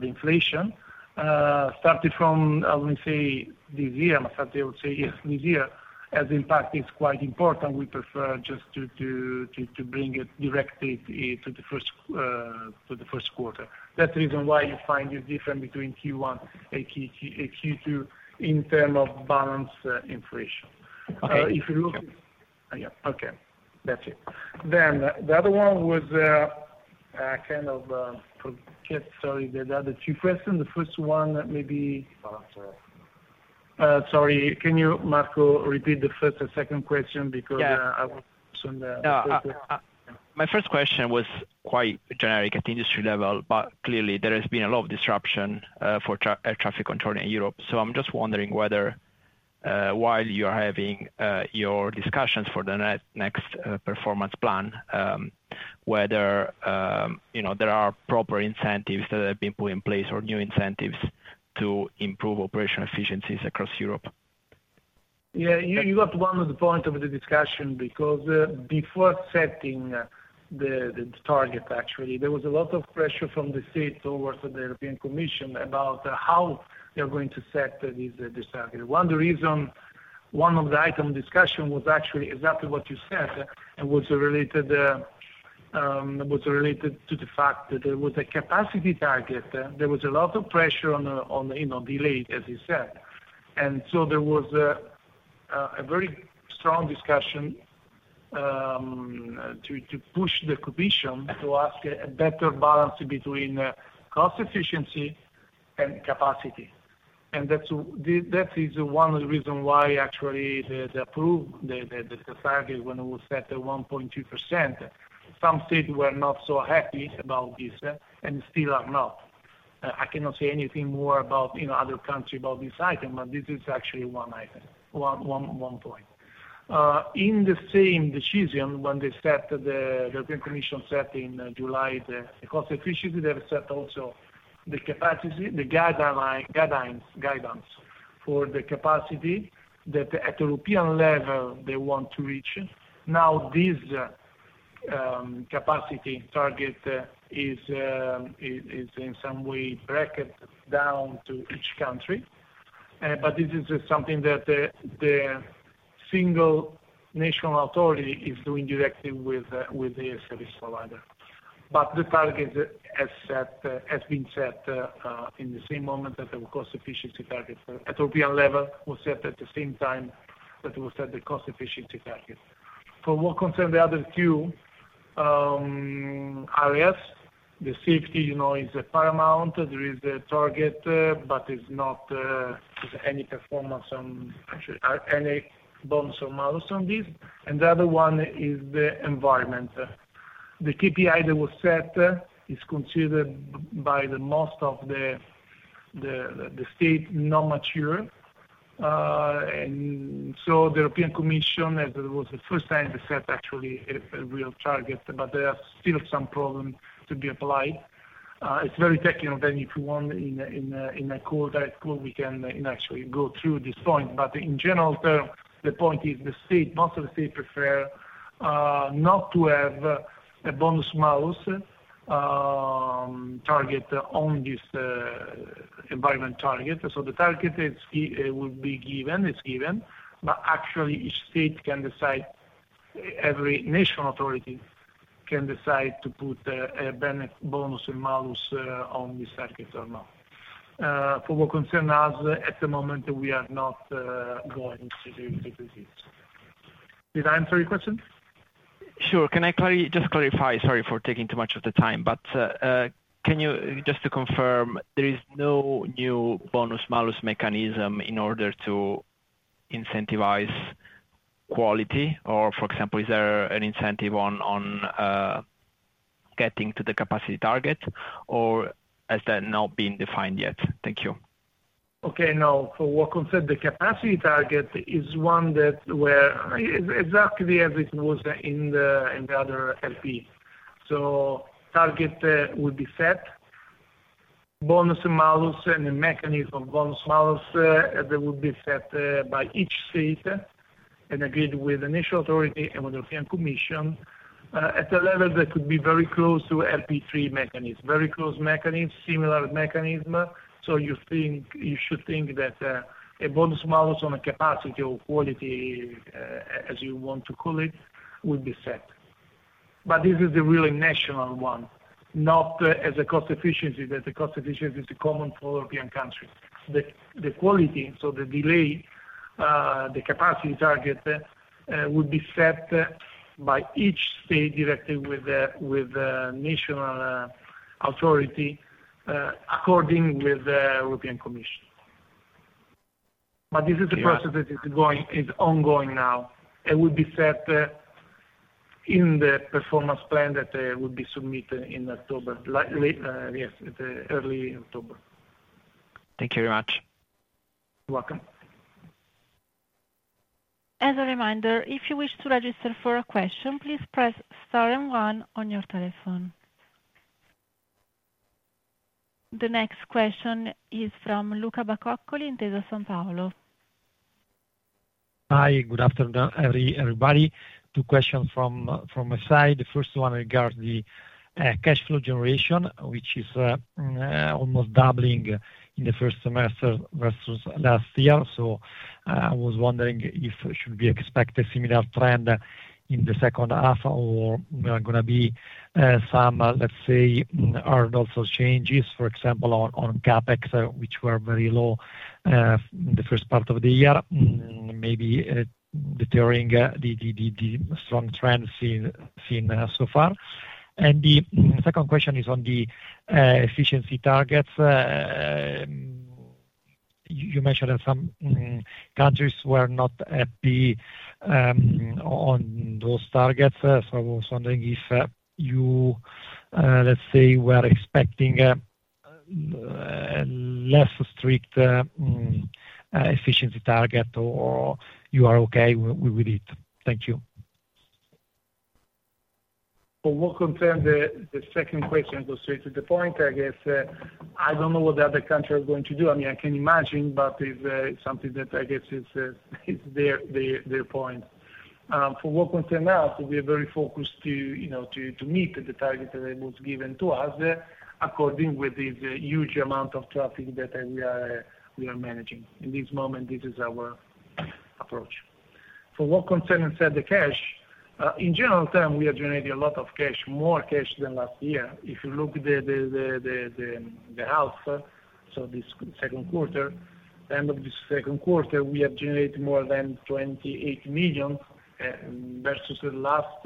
D: the inflation. Started from, let me say, this year, I would say, yes, this year, as the impact is quite important, we prefer just to bring it directly to the first quarter. That's the reason why you find this difference between Q1 and Q2 in terms of balance inflation. If you look at.
I: Okay. That's it. Then the other one was kind of forgot, sorry, the other two questions. The first one maybe. Balance reversal.
D: Sorry. Can you, Marco, repeat the first and second question because I was on the paper?
I: My first question was quite generic at the industry level, but clearly, there has been a lot of disruption for air traffic control in Europe. So I'm just wondering whether while you are having your discussions for the next Performance Plan, whether there are proper incentives that have been put in place or new incentives to improve operational efficiencies across Europe.
D: Yeah. You got one of the points of the discussion because before setting the target, actually, there was a lot of pressure from the IATA towards the European Commission about how they're going to set this target. One of the reasons, one of the items of discussion was actually exactly what you said, and was related to the fact that there was a capacity target. There was a lot of pressure on delays, as you said. And so there was a very strong discussion to push the Commission to ask for a better balance between cost efficiency and capacity. And that is one of the reasons why actually the target, when it was set at 1.2%, some states were not so happy about this and still are not. I cannot say anything more about other countries about this item, but this is actually one item, one point. In the same decision, when the European Commission set in July the cost efficiency, they have set also the guidelines for the capacity that at the European level they want to reach. Now, this capacity target is in some way bracketed down to each country. But this is something that the single national authority is doing directly with the service provider. But the target has been set in the same moment that the cost efficiency target at the European level was set at the same time that it was set the cost efficiency target. For what concerns the other two areas, the safety is paramount. There is a target, but there's not any performance on any bonus or malus on this. And the other one is the environment. The KPI that was set is considered by most of the states not mature. And so the European Commission, as it was the first time they set actually a real target, but there are still some problems to be applied. It's very technical. Then if you want in a direct call, we can actually go through this point. But in general, the point is the state, most of the states prefer not to have a bonus malus target on this environment target. So the target will be given. It's given. But actually, each state can decide, every national authority can decide to put a bonus or malus on this target or not. For what concerns us, at the moment, we are not going to do this. Did I answer your question?
I: Sure. Can I just clarify? Sorry for taking too much of the time, but just to confirm, there is no new bonus malus mechanism in order to incentivize quality? Or, for example, is there an incentive on getting to the capacity target, or has that not been defined yet? Thank you.
D: Okay. No. For what concerns, the capacity target is one that where exactly as it was in the other RP. So target will be set, bonus and malus, and the mechanism of bonus malus that will be set by each state and agreed with the national authority and with the European Commission at a level that could be very close to RP3 mechanism, very close mechanism, similar mechanism. So you should think that a bonus malus on a capacity or quality, as you want to call it, will be set. But this is the really national one, not as a cost efficiency that the cost efficiency is common for European countries. The quality, so the delay, the capacity target will be set by each state directly with the national authority according with the European Commission. But this is a process that is ongoing now. It will be set in the Performance Plan that will be submitted in October, yes, early October.
I: Thank you very much.
D: You're welcome.
A: As a reminder, if you wish to register for a question, please press star and one on your telephone. The next question is from Luca Bacoccoli in Intesa Sanpaolo.
J: Hi. Good afternoon, everybody. Two questions from my side. The first one regards the cash flow generation, which is almost doubling in the first semester versus last year. So I was wondering if it should be expected similar trend in the second half or we are going to be some, let's say, and also changes, for example, on CapEx, which were very low in the first part of the year, maybe deterring the strong trends seen so far. And the second question is on the efficiency targets. You mentioned that some countries were not happy on those targets. So I was wondering if you, let's say, were expecting less strict efficiency target or you are okay with it. Thank you.
D: For what concerns the second question, it goes straight to the point. I guess I don't know what the other countries are going to do. I mean, I can imagine, but it's something that I guess is their point. For what concerns us, we are very focused to meet the target that was given to us according with this huge amount of traffic that we are managing. In this moment, this is our approach. For what concerns inside the cash, in general, we are generating a lot of cash, more cash than last year. If you look at the half, so this second quarter, end of this second quarter, we have generated more than 28 million versus the last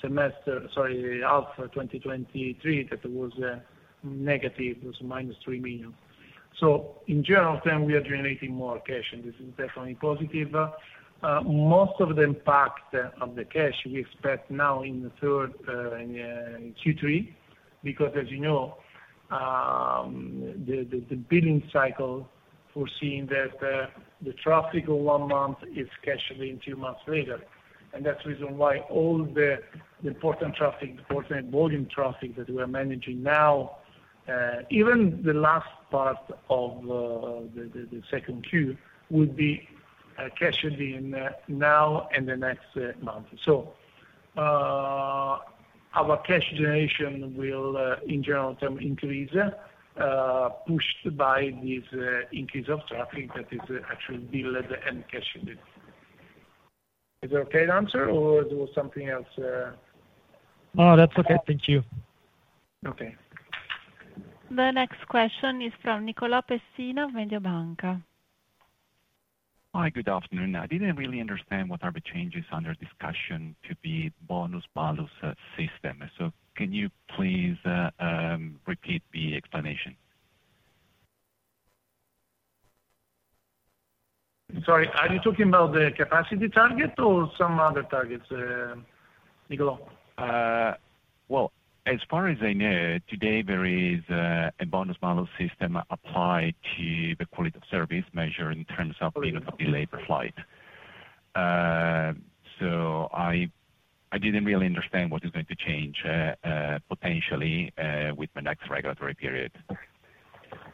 D: semester, sorry, half 2023, that was negative, was minus 3 million. So in general, we are generating more cash, and this is definitely positive. Most of the impact of the cash we expect now in Q3 because, as you know, the billing cycle foreseeing that the traffic of one month is cashed in two months later. And that's the reason why all the important traffic, important volume traffic that we are managing now, even the last part of the second Q, will be cashed in now and the next month. So our cash generation will, in general, increase pushed by this increase of traffic that is actually billed and cashed in. Is that okay, the answer, or was it something else?
J: No, that's okay. Thank you.
D: Okay.
A: The next question is from Nicola Pessina of Mediobanca.
K: Hi. Good afternoon. I didn't really understand what are the changes under discussion to the bonus malus system. So can you please repeat the explanation?
D: Sorry. Are you talking about the capacity target or some other targets, Nicola?
K: Well, as far as I know, today, there is a bonus malus system applied to the quality of service measured in terms of the delay per flight. So I didn't really understand what is going to change potentially with the next regulatory period.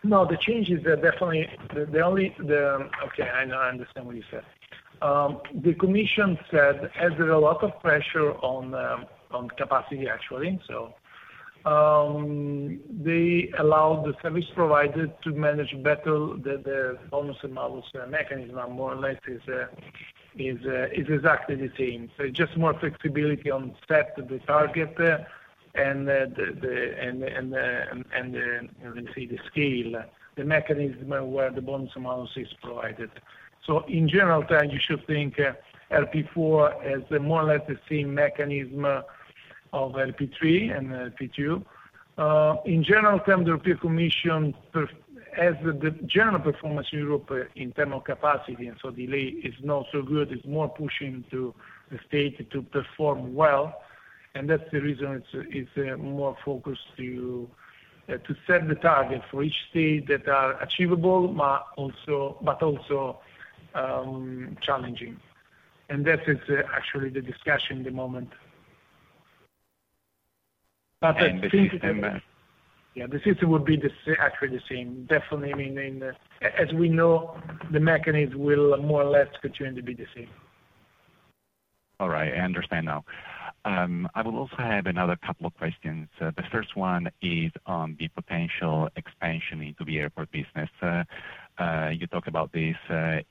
C: No, the change is definitely the only okay. I understand what you said. The Commission said there's a lot of pressure on capacity, actually. So they allowed the service provider to manage better the bonus and malus mechanism. More or less, it's exactly the same. So it's just more flexibility on setting the target and, let me see, the scale, the mechanism where the bonus and malus is provided. So in general, you should think RP4 is more or less the same mechanism of RP3 and RP2. In general, the European Commission, as the general performance in Europe in terms of capacity, and so delay is not so good, is more pushing the state to perform well. That's the reason it's more focused to set the target for each state that are achievable but also challenging. That is actually the discussion at the moment. But I think. Yeah. The system would be actually the same. Definitely, I mean, as we know, the mechanism will more or less continue to be the same.
K: All right. I understand now. I will also have another couple of questions. The first one is on the potential expansion into the airport business. You talked about this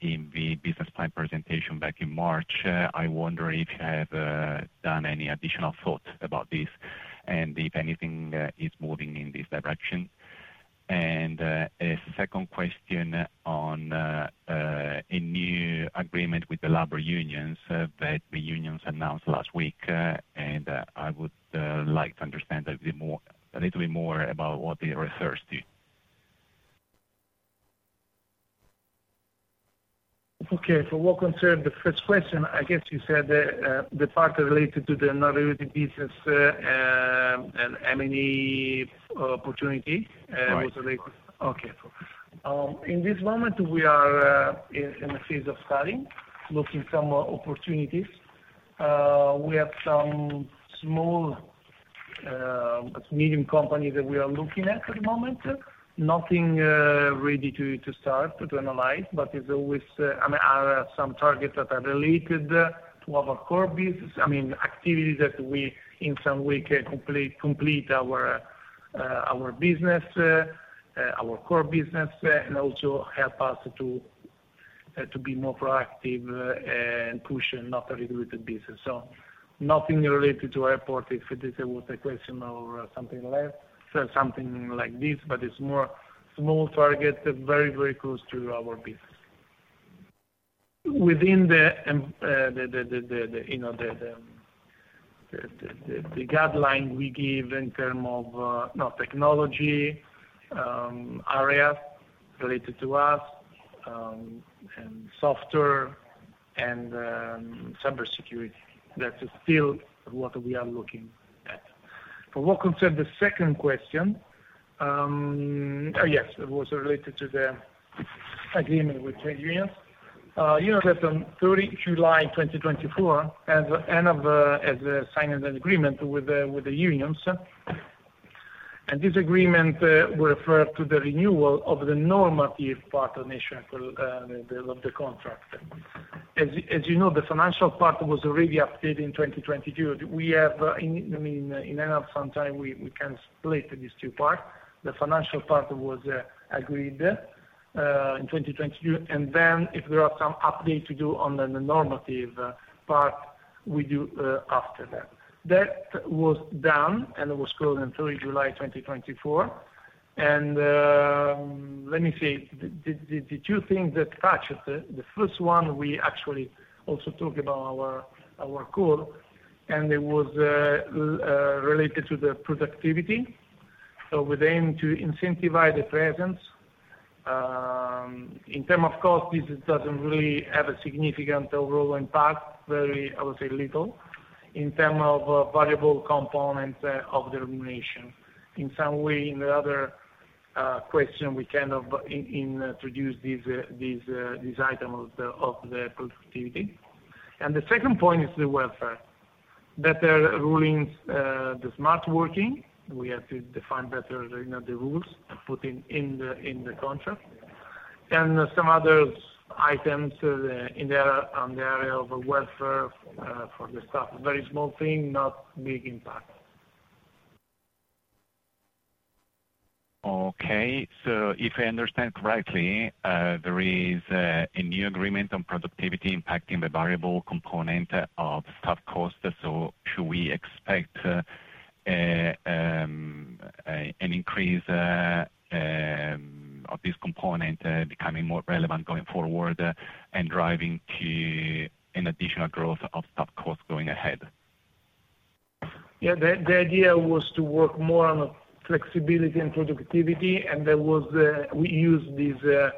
K: in the business plan presentation back in March. I wonder if you have done any additional thought about this and if anything is moving in this direction. A second question on a new agreement with the labor unions that the unions announced last week. I would like to understand a little bit more about what it refers to.
C: Okay. For what concerns, the first question, I guess you said the part related to the non-regulated business and M&A opportunity was related.
K: Okay.
C: In this moment, we are in a phase of studying, looking at some opportunities. We have some small, medium companies that we are looking at at the moment. Nothing ready to start, to analyze, but there's always some targets that are related to our core business, I mean, activities that we in some way can complete our business, our core business, and also help us to be more proactive and push and non-regulated business. So nothing related to airport if this was a question or something like this, but it's more small target, very, very close to our business. Within the guideline we give in terms of technology areas related to us and software and cybersecurity, that's still what we are looking at. For what concerns the second question, yes, it was related to the agreement with unions. You know that on 30 July 2024, we signed an agreement with the unions. And this agreement will refer to the renewal of the normative part of the contract, as you know, the financial part was already updated in 2022. We have, I mean, and over some time, we can split these two parts. The financial part was agreed in 2022. And then if there are some updates to do on the normative part, we do after that. That was done, and it was closed on 30 July 2024. Let me say, the two things that touched, the first one, we actually also talked about our call, and it was related to the productivity. So we're aiming to incentivize the presence. In terms of cost, this doesn't really have a significant overall impact, very, I would say, little in terms of variable components of the remuneration. In some way, in the other question, we kind of introduced this item of the productivity. And the second point is the welfare, better rulings, the smart working. We have to define better the rules and put in the contract. And some other items in the area of welfare for the staff, very small thing, not big impact.
K: Okay. So if I understand correctly, there is a new agreement on productivity impacting the variable component of staff cost. So should we expect an increase of this component becoming more relevant going forward and driving to an additional growth of staff cost going ahead?
C: Yeah. The idea was to work more on flexibility and productivity. And we used this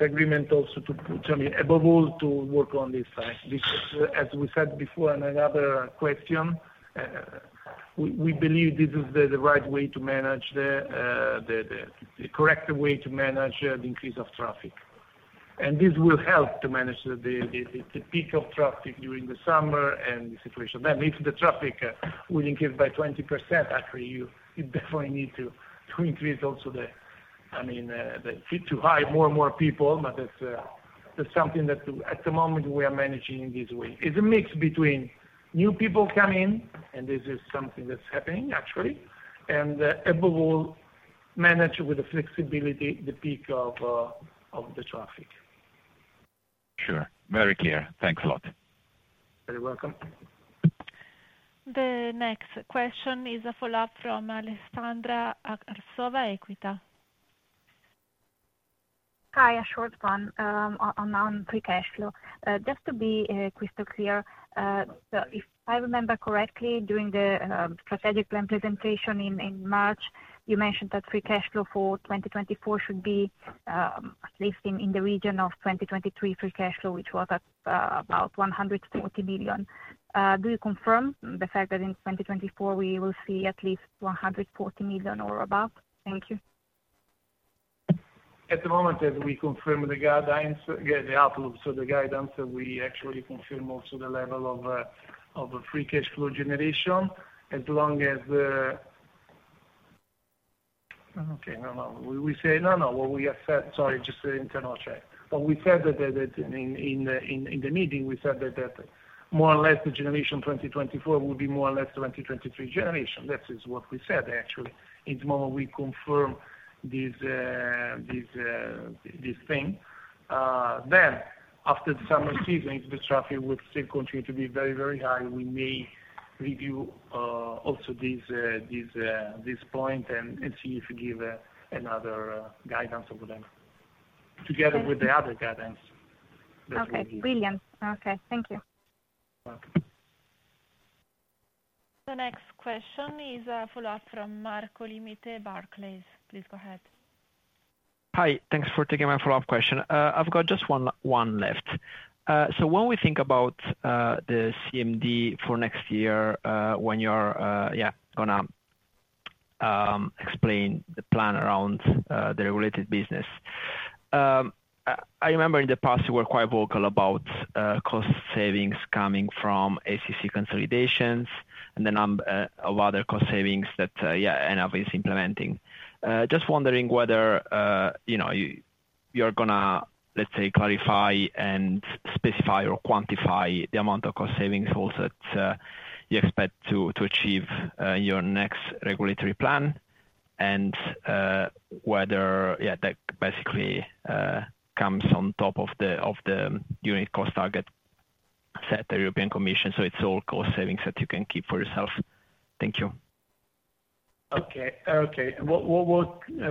C: agreement also to, I mean, above all, to work on this side. As we said before in another question, we believe this is the right way to manage the correct way to manage the increase of traffic. And this will help to manage the peak of traffic during the summer and the situation. Then if the traffic will increase by 20%, actually, you definitely need to increase also the, I mean, to hire more and more people. But that's something that at the moment we are managing in this way. It's a mix between new people coming in, and this is something that's happening, actually, and above all, manage with the flexibility, the peak of the traffic.
K: Sure. Very clear. Thanks a lot.
C: You're welcome.
A: The next question is a follow-up from Aleksandra Arsova, Equita.
G: Hi. A short question on free cash flow. Just to be crystal clear, if I remember correctly, during the strategic plan presentation in March, you mentioned that free cash flow for 2024 should be at least in the region of 2023 free cash flow, which was about 140 million. Do you confirm the fact that in 2024, we will see at least 140 million or above? Thank you.
D: At the moment, as we confirm the guidelines, the outlook, so the guidance, we actually confirm also the level of free cash flow generation as long as okay. No, no. We say no, no. What we have said. Sorry, just an internal check. But we said that in the meeting, we said that more or less the generation 2024 will be more or less 2023 generation. That is what we said, actually. In the moment, we confirm this thing. Then after the summer season, if the traffic will still continue to be very, very high, we may review also this point and see if we give another guidance or whatever, together with the other guidance that we will give.
G: Okay. Brilliant. Okay. Thank you.
A: The next question is a follow-up from Marco Limite, Barclays. Please go ahead.
I: Hi. Thanks for taking my follow-up question. I've got just one left.
D: So when we think about the CMD for next year when you're, yeah, going to explain the plan around the regulated business, I remember in the past, you were quite vocal about cost savings coming from ACC consolidations and the number of other cost savings that, yeah, ENAV is implementing. Just wondering whether you're going to, let's say, clarify and specify or quantify the amount of cost savings also that you expect to achieve in your next regulatory plan and whether, yeah, that basically comes on top of the unit cost target set by the European Commission. So it's all cost savings that you can keep for yourself. Thank you.
C: Okay. Okay. What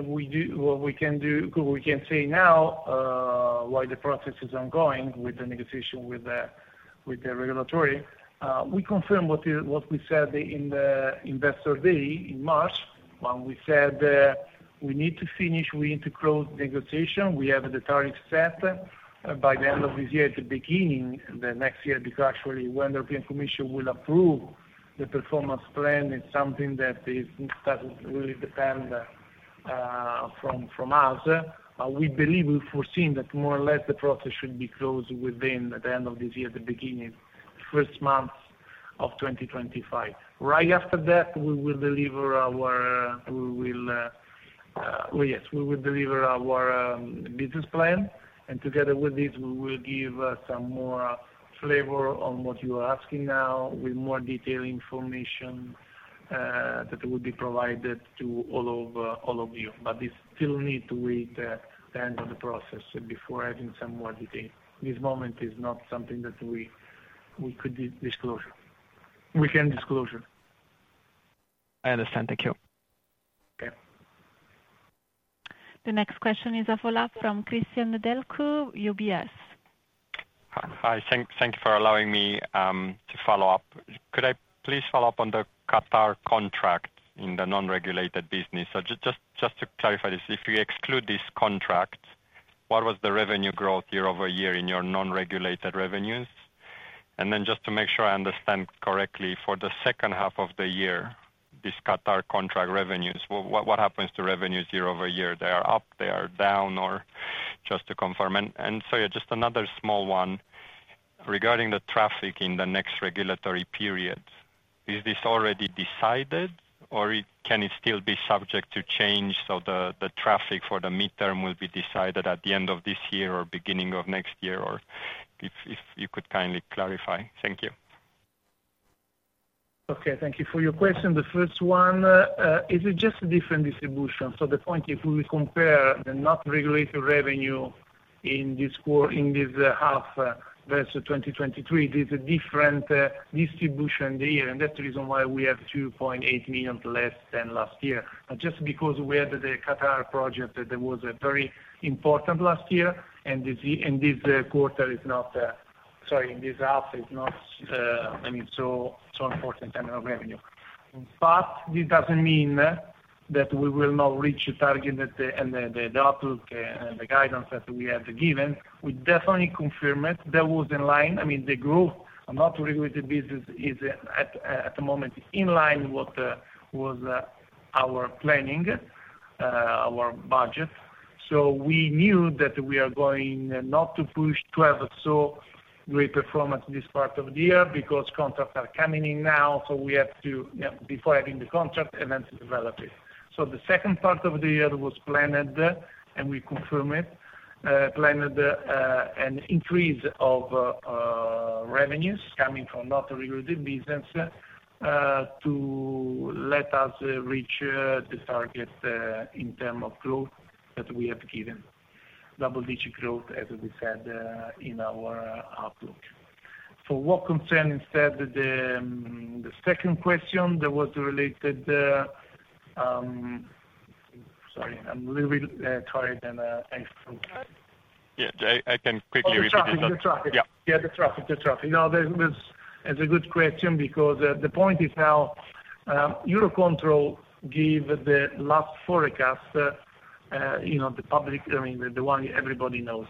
C: we can do, what we can say now, while the process is ongoing with the negotiation with the regulatory, we confirm what we said in the Investor Day in March when we said we need to finish, we need to close negotiation. We have the target set by the end of this year, at the beginning of the next year, because actually, when the European Commission will approve the Performance Plan, it's something that doesn't really depend from us. We believe we foreseen that more or less the process should be closed within the end of this year, the beginning, the first months of 2025. Right after that, we will deliver our—well, yes, we will deliver our business plan. And together with this, we will give some more flavor on what you are asking now with more detailed information that will be provided to all of you. But this still needs to wait the end of the process before adding some more detail. This moment is not something that we could disclose. We can disclose.
I: I understand. Thank you.
C: Okay.
A: The next question is a follow-up from Cristian Nedelcu, UBS.
H: Hi. Thank you for allowing me to follow up. Could I please follow up on the Qatar contract in the non-regulated business? So just to clarify this, if you exclude this contract, what was the revenue growth year-over-year in your non-regulated revenues? And then just to make sure I understand correctly, for the second half of the year, this Qatar contract revenues, what happens to revenues year-over-year? They are up, they are down, or just to confirm? And sorry, just another small one. Regarding the traffic in the next regulatory period, is this already decided, or can it still be subject to change? So the traffic for the midterm will be decided at the end of this year or beginning of next year, or if you could kindly clarify. Thank you.
C: Okay. Thank you for your question. The first one is just a different distribution. So the point, if we compare the non-regulated revenue in this half versus 2023, it is a different distribution in the year. And that's the reason why we have 2.8 million less than last year. But just because we had the Qatar project, that was very important last year. And this quarter is not, sorry, in this half, it's not, I mean, so important in terms of revenue. But this doesn't mean that we will not reach target and the outlook and the guidance that we had given. We definitely confirm it. That was in line. I mean, the growth of not-regulated business is at the moment in line with what was our planning, our budget. So we knew that we are going not to push to have a so great performance this part of the year because contracts are coming in now. So we have to, before adding the contract, eventually develop it. So the second part of the year was planned, and we confirm it, planned an increase of revenues coming from not-regulated business to let us reach the target in terms of growth that we have given, double-digit growth, as we said in our outlook. For what concern, instead, the second question, that was related - sorry, I'm a little bit tired and I - Yeah. I can quickly repeat it. The traffic. Yeah. Yeah. The traffic. The traffic. No, that's a good question because the point is now Eurocontrol gave the last forecast, the public, I mean, the one everybody knows.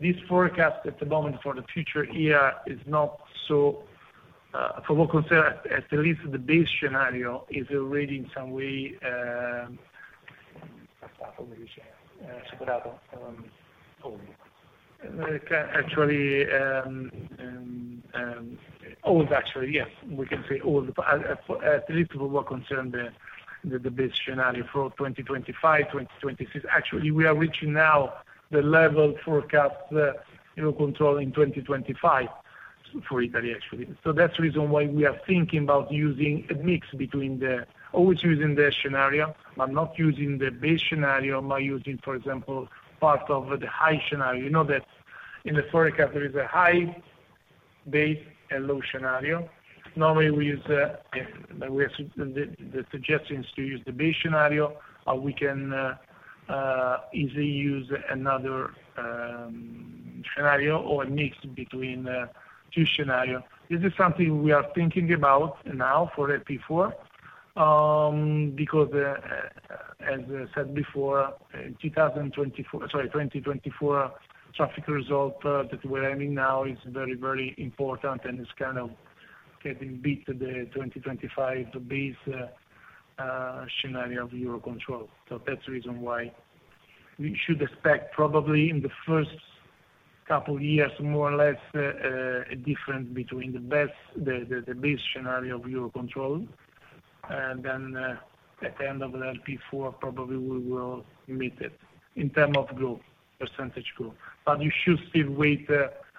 C: This forecast at the moment for the future year is not so—for what concern, at least the base scenario is already in some way—actually, old, actually. Yes. We can say old. At least for what concern, the base scenario for 2025, 2026. Actually, we are reaching now the level forecast Eurocontrol in 2025 for Italy, actually. So that's the reason why we are thinking about using a mix between the—always using the scenario, but not using the base scenario. Am I using, for example, part of the high scenario? You know that in the forecast, there is a high, base, and low scenario. Normally, we suggest to use the base scenario, or we can easily use another scenario or a mix between two scenarios. This is something we are thinking about now for RP4 because, as I said before, 2024, sorry, 2024 traffic result that we're aiming now is very, very important and is kind of getting beat to the 2025 base scenario of Eurocontrol. So that's the reason why we should expect probably in the first couple of years, more or less, a difference between the base scenario of Eurocontrol. And then at the end of the RP4, probably we will meet it in terms of growth, percentage growth. But you should still await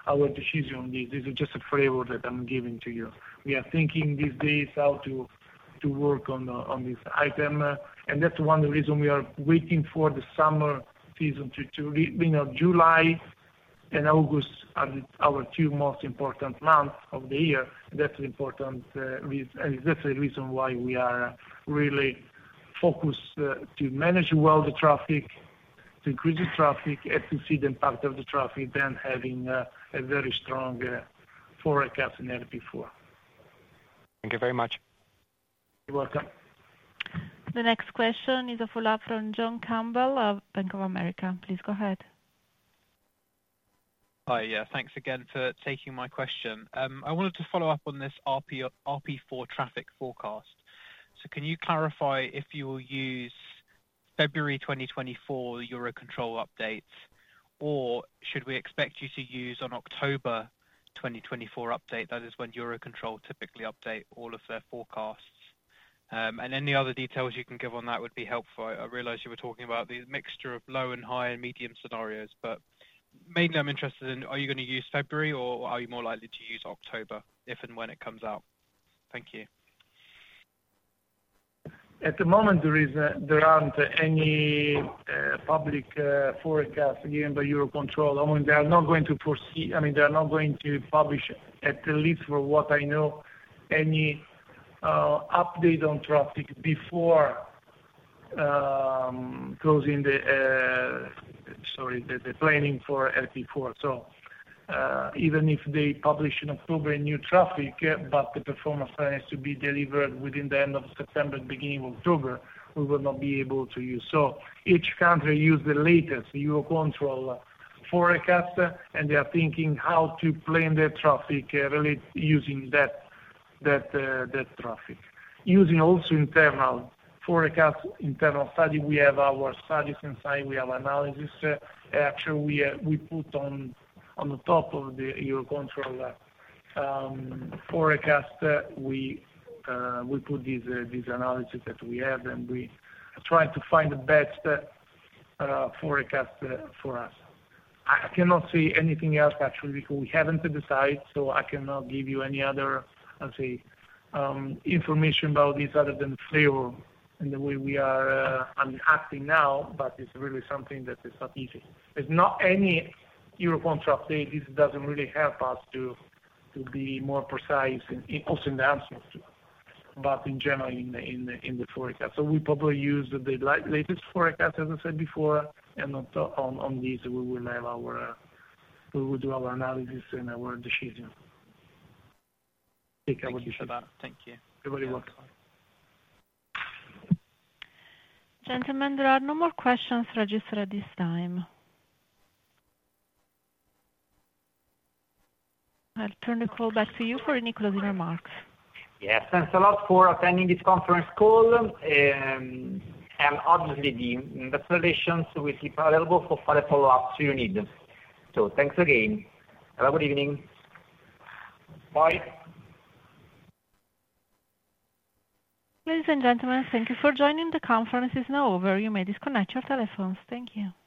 C: our decision on this. This is just a flavor that I'm giving to you. We are thinking these days how to work on this item. And that's one reason we are waiting for the summer season to July and August are our two most important months of the year. That's the important reason, and that's the reason why we are really focused to manage well the traffic, to increase the traffic, and to see the impact of the traffic than having a very strong forecast in RP4.
H: Thank you very much.
C: You're welcome.
A: The next question is a follow-up from John Campbell of Bank of America. Please go ahead.
F: Hi. Yeah. Thanks again for taking my question. I wanted to follow up on this RP4 traffic forecast. So can you clarify if you will use February 2024 Eurocontrol updates, or should we expect you to use an October 2024 update? That is when Eurocontrol typically updates all of their forecasts. And any other details you can give on that would be helpful. I realize you were talking about the mixture of low and high and medium scenarios. But mainly, I'm interested in are you going to use February, or are you more likely to use October if and when it comes out? Thank you.
C: At the moment, there aren't any public forecasts given by Eurocontrol. I mean, they are not going to foresee—I mean, they are not going to publish, at least for what I know, any update on traffic before closing the—sorry, the planning for RP4. So even if they publish in October new traffic, but the Performance Plan has to be delivered within the end of September, beginning of October, we will not be able to use. So each country uses the latest Eurocontrol forecast, and they are thinking how to plan their traffic using that traffic. Using also internal forecasts, internal study, we have our studies inside. We have analysis. Actually, we put on the top of the Eurocontrol forecast, we put these analyses that we have, and we try to find the best forecast for us. I cannot say anything else, actually, because we haven't decided. So I cannot give you any other, let's say, information about this other than the flavor and the way we are acting now. But it's really something that is not easy. There's not any Eurocontrol update. This doesn't really help us to be more precise in answering to, but in general, in the forecast. So we probably use the latest forecast, as I said before. And on these, we will do our analysis and our decision.
F: Thank you for that.
C: Thank you.
F: Everybody works. Thank you.
A: Gentlemen, there are no more questions registered at this time. I'll turn the call back to you for any closing remarks.
C: Yes. Thanks a lot for attending this conference call. Obviously, the Investor Relations will be available for further follow-ups you need. Thanks again. Have a good evening. Bye.
A: Ladies and gentlemen, thank you for joining. The conference is now over. You may disconnect your telephones. Thank you.